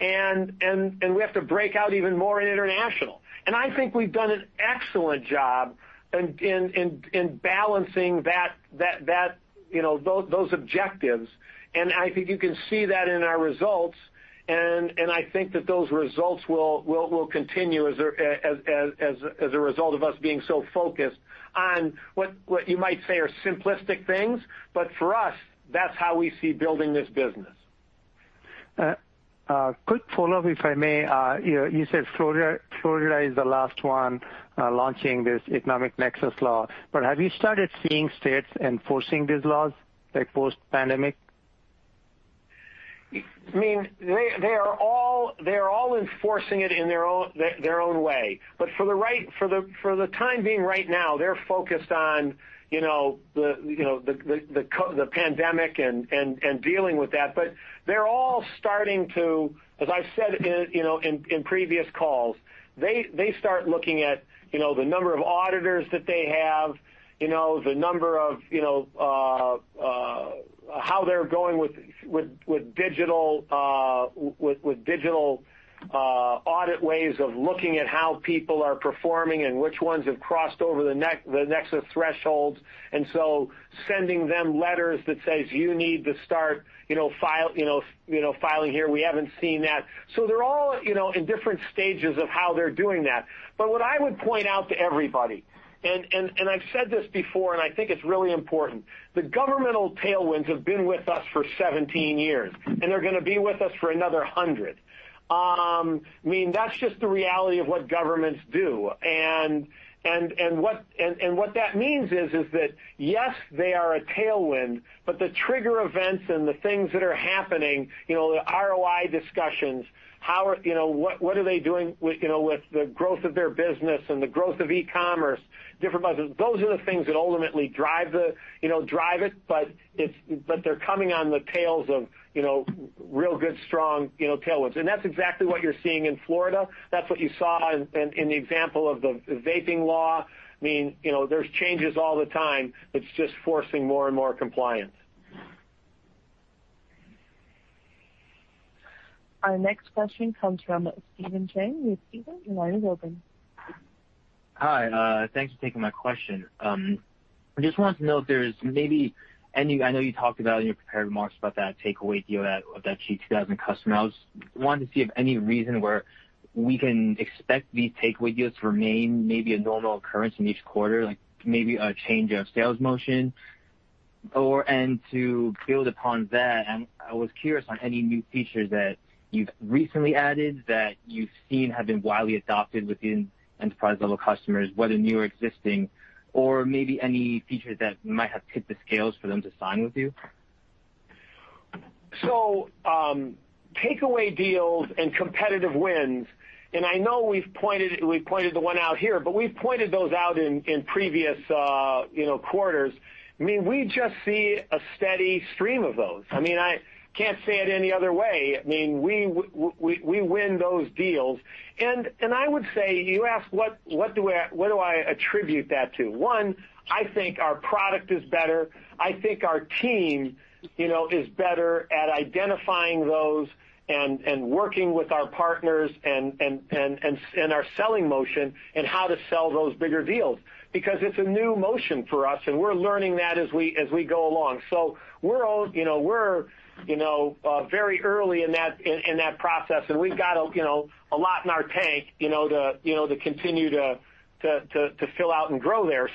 We have to break out even more in international. I think we've done an excellent job in balancing those objectives, and I think you can see that in our results. I think that those results will continue as a result of us being so focused on what you might say are simplistic things, but for us, that's how we see building this business. A quick follow-up, if I may. You said Florida is the last one launching this economic nexus law, have you started seeing states enforcing these laws, like post-pandemic? They are all enforcing it in their own way. For the time being right now, they're focused on the pandemic and dealing with that. They're all starting to, as I've said in previous calls, they start looking at the number of auditors that they have, how they're going with digital audit ways of looking at how people are performing and which ones have crossed over the nexus thresholds. Sending them letters that says, "You need to start filing here. We haven't seen that." They're all in different stages of how they're doing that. What I would point out to everybody, and I've said this before, and I think it's really important. The governmental tailwinds have been with us for 17 years, and they're going to be with us for another 100. That's just the reality of what governments do. What that means is that, yes, they are a tailwind, but the trigger events and the things that are happening, the ROI discussions, what are they doing with the growth of their business and the growth of e-commerce, different budgets. Those are the things that ultimately drive it, but they're coming on the tails of real good, strong tailwinds. That's exactly what you're seeing in Florida. That's what you saw in the example of the vaping law. There's changes all the time. It's just forcing more and more compliance. Our next question comes from Steven Chang. Your line is open. Hi. Thanks for taking my question. I know you talked about in your prepared remarks about that takeaway deal of that G2000 customer. I just wanted to see if any reason where we can expect these takeaway deals to remain maybe a normal occurrence in each quarter, like maybe a change of sales motion? To build upon that, I was curious on any new features that you've recently added that you've seen have been widely adopted within enterprise-level customers, whether new or existing, or maybe any features that might have tipped the scales for them to sign with you. Takeaway deals and competitive wins, and I know we've pointed the one out here, but we've pointed those out in previous quarters. We just see a steady stream of those. I can't say it any other way. We win those deals. I would say, you ask what do I attribute that to? One, I think our product is better. I think our team is better at identifying those and working with our partners and our selling motion and how to sell those bigger deals. It's a new motion for us, and we're learning that as we go along. We're very early in that process, and we've got a lot in our tank to continue to fill out and grow there.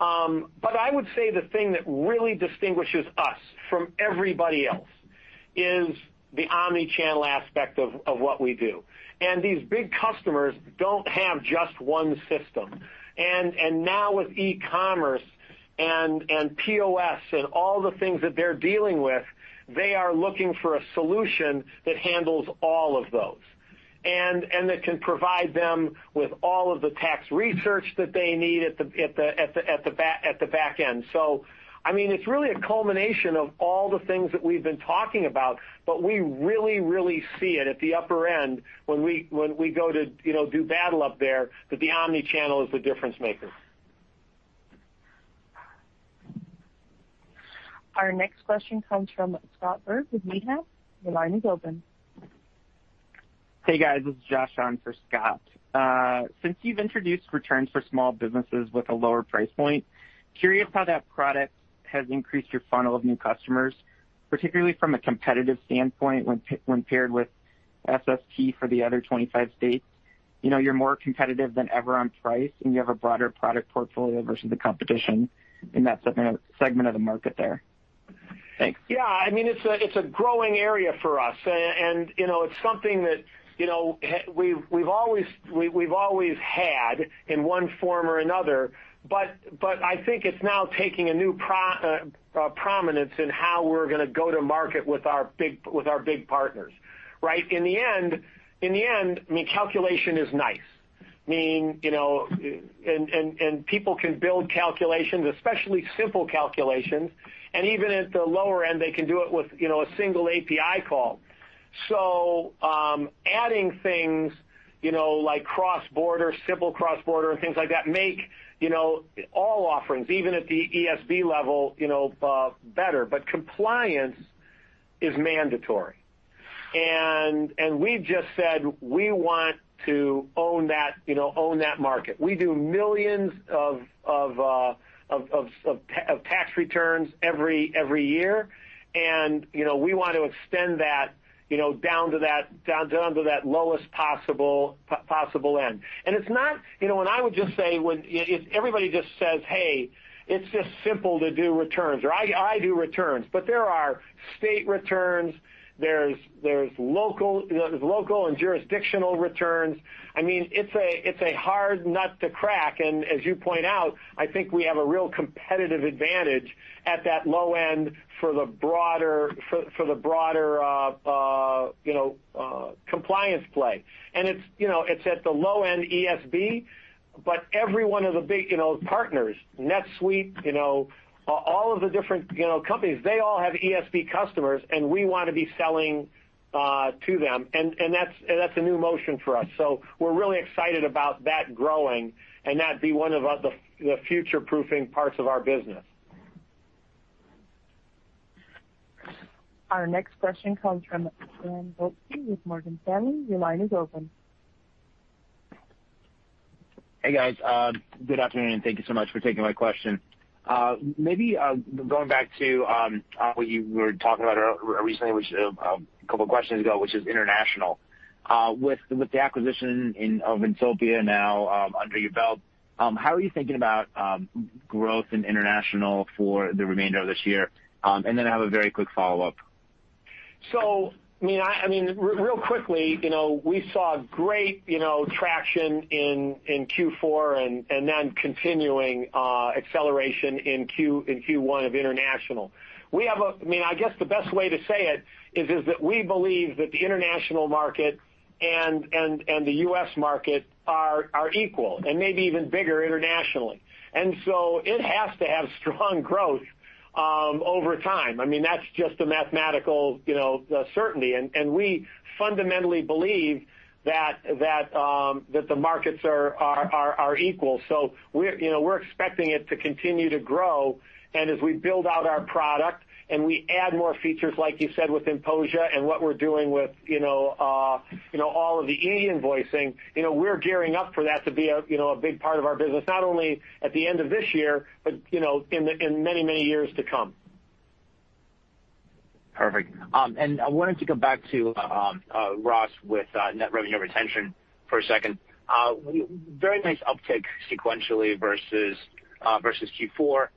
I would say the thing that really distinguishes us from everybody else is the omni-channel aspect of what we do. These big customers don't have just one system. Now with e-commerce and POS and all the things that they're dealing with, they are looking for a solution that handles all of those, and that can provide them with all of the tax research that they need at the back end. It's really a culmination of all the things that we've been talking about, but we really see it at the upper end when we go to do battle up there, that the omni-channel is the difference maker. Our next question comes from Scott Berg with Needham. Your line is open. Hey, guys, this is Joshua on for Scott. Since you've introduced returns for small businesses with a lower price point, curious how that product has increased your funnel of new customers, particularly from a competitive standpoint when paired with SST for the other 25 states. You're more competitive than ever on price, and you have a broader product portfolio versus the competition in that segment of the market there. Thanks. Yeah. It's a growing area for us. It's something that we've always had in one form or another, but I think it's now taking a new prominence in how we're going to go to market with our big partners, right? In the end, calculation is nice. People can build calculations, especially simple calculations, and even at the lower end, they can do it with a single API call. Adding things like cross-border, simple cross-border and things like that make all offerings, even at the ESB level, better. Compliance is mandatory. We've just said we want to own that market. We do millions of tax returns every year, and we want to extend that down to that lowest possible end. I would just say, everybody just says, "Hey, it's just simple to do returns," or, "I do returns," but there are state returns, there's local and jurisdictional returns. It's a hard nut to crack, and as you point out, I think we have a real competitive advantage at that low end for the broader compliance play. It's at the low end ESB, but every one of the big partners, NetSuite, all of the different companies, they all have ESB customers and we want to be selling to them. That's a new motion for us. We're really excited about that growing and that be one of the future-proofing parts of our business. Our next question comes from Stan Zlotsky with Morgan Stanley. Your line is open. Hey, guys. Good afternoon. Thank you so much for taking my question. Maybe going back to what you were talking about recently, which a couple of questions ago, which is international. With the acquisition of INPOSIA now under your belt, how are you thinking about growth in international for the remainder of this year? I have a very quick follow-up. Real quickly, we saw great traction in Q4 and then continuing acceleration in Q1 of international. I guess the best way to say it is that we believe that the international market and the U.S. market are equal and maybe even bigger internationally. It has to have strong growth over time. That's just a mathematical certainty. We fundamentally believe that the markets are equal. We're expecting it to continue to grow. As we build out our product and we add more features, like you said, with INPOSIA and what we're doing with all of the e-invoicing, we're gearing up for that to be a big part of our business, not only at the end of this year, but in many years to come. Perfect. I wanted to go back to Ross with net revenue retention for a second. Very nice uptick sequentially versus Q4.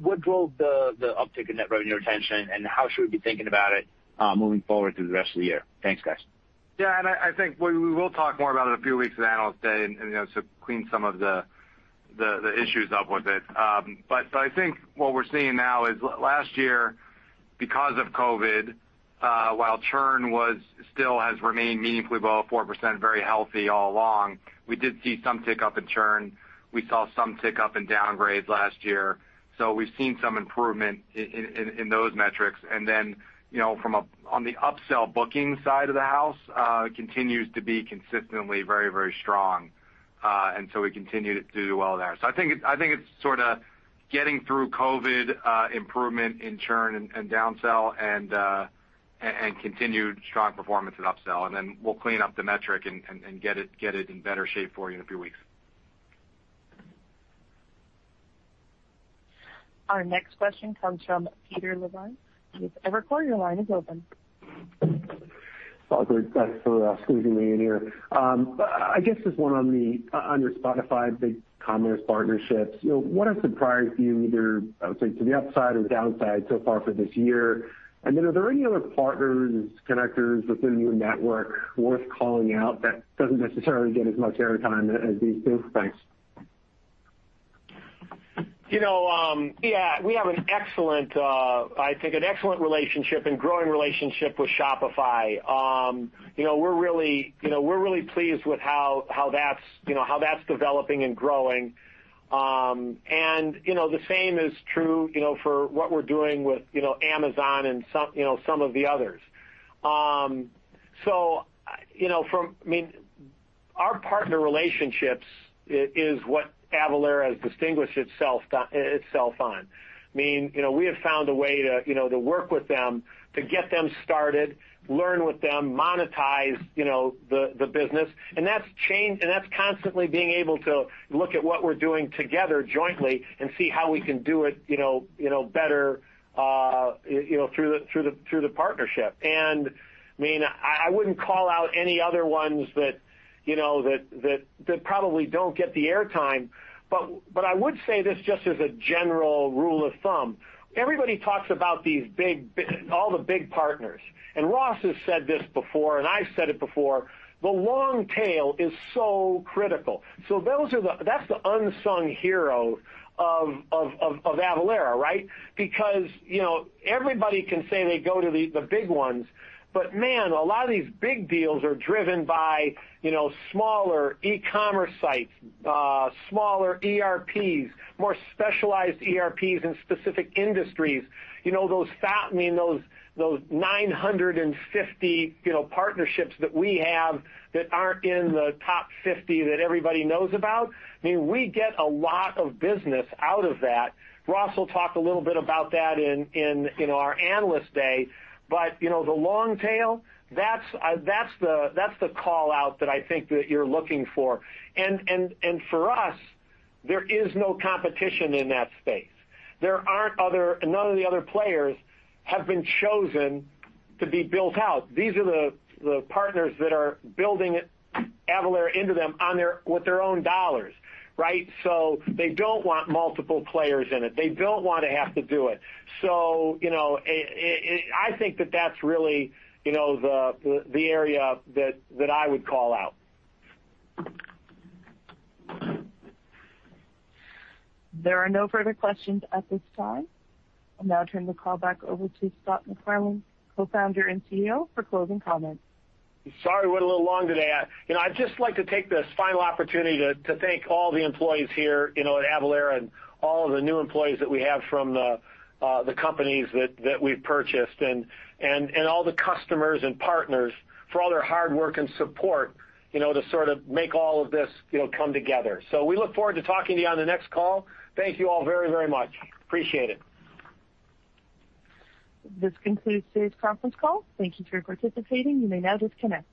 What drove the uptick in net revenue retention, and how should we be thinking about it moving forward through the rest of the year? Thanks, guys. Yeah, I think we will talk more about it in a few weeks at Analyst Day and sort of clean some of the issues up with it. I think what we're seeing now is last year, because of COVID, while churn still has remained meaningfully below 4%, very healthy all along, we did see some tick up in churn. We saw some tick up in downgrades last year. We've seen some improvement in those metrics. Then, on the upsell booking side of the house, continues to be consistently very strong. We continue to do well there. I think it's sort of getting through COVID, improvement in churn and down-sell, and continued strong performance at up-sell. Then we'll clean up the metric and get it in better shape for you in a few weeks. Our next question comes from Peter Levine with Evercore. Your line is open. Thanks for squeezing me in here. I guess just one on your Shopify BigCommerce partnerships, what has surprised you either, I would say, to the upside or the downside so far for this year? Are there any other partners, connectors within your network worth calling out that doesn't necessarily get as much air time as these two? Thanks. Yeah, we have an excellent relationship and growing relationship with Shopify. We're really pleased with how that's developing and growing. The same is true for what we're doing with Amazon and some of the others. Our partner relationships is what Avalara has distinguished itself on. We have found a way to work with them, to get them started, learn with them, monetize the business. That's constantly being able to look at what we're doing together jointly and see how we can do it better through the partnership. I wouldn't call out any other ones that probably don't get the air time. I would say this just as a general rule of thumb, everybody talks about all the big partners, and Ross has said this before, and I've said it before, the long tail is so critical. That's the unsung hero of Avalara, right? Everybody can say they go to the big ones, but man, a lot of these big deals are driven by smaller e-commerce sites, smaller ERPs, more specialized ERPs in specific industries. Those 950 partnerships that we have that aren't in the top 50 that everybody knows about, we get a lot of business out of that. Ross will talk a little bit about that in our Analyst Day. The long tail, that's the call-out that I think that you're looking for. For us, there is no competition in that space. None of the other players have been chosen to be built out. These are the partners that are building Avalara into them with their own dollars, right? They don't want multiple players in it. They don't want to have to do it. I think that that's really the area that I would call out. There are no further questions at this time. I'll now turn the call back over to Scott McFarlane, Co-founder and CEO, for closing comments. Sorry it went a little long today. I'd just like to take this final opportunity to thank all the employees here at Avalara and all of the new employees that we have from the companies that we've purchased, and all the customers and partners for all their hard work and support to sort of make all of this come together. We look forward to talking to you on the next call. Thank you all very much. Appreciate it. This concludes today's conference call. Thank you for participating. You may now disconnect.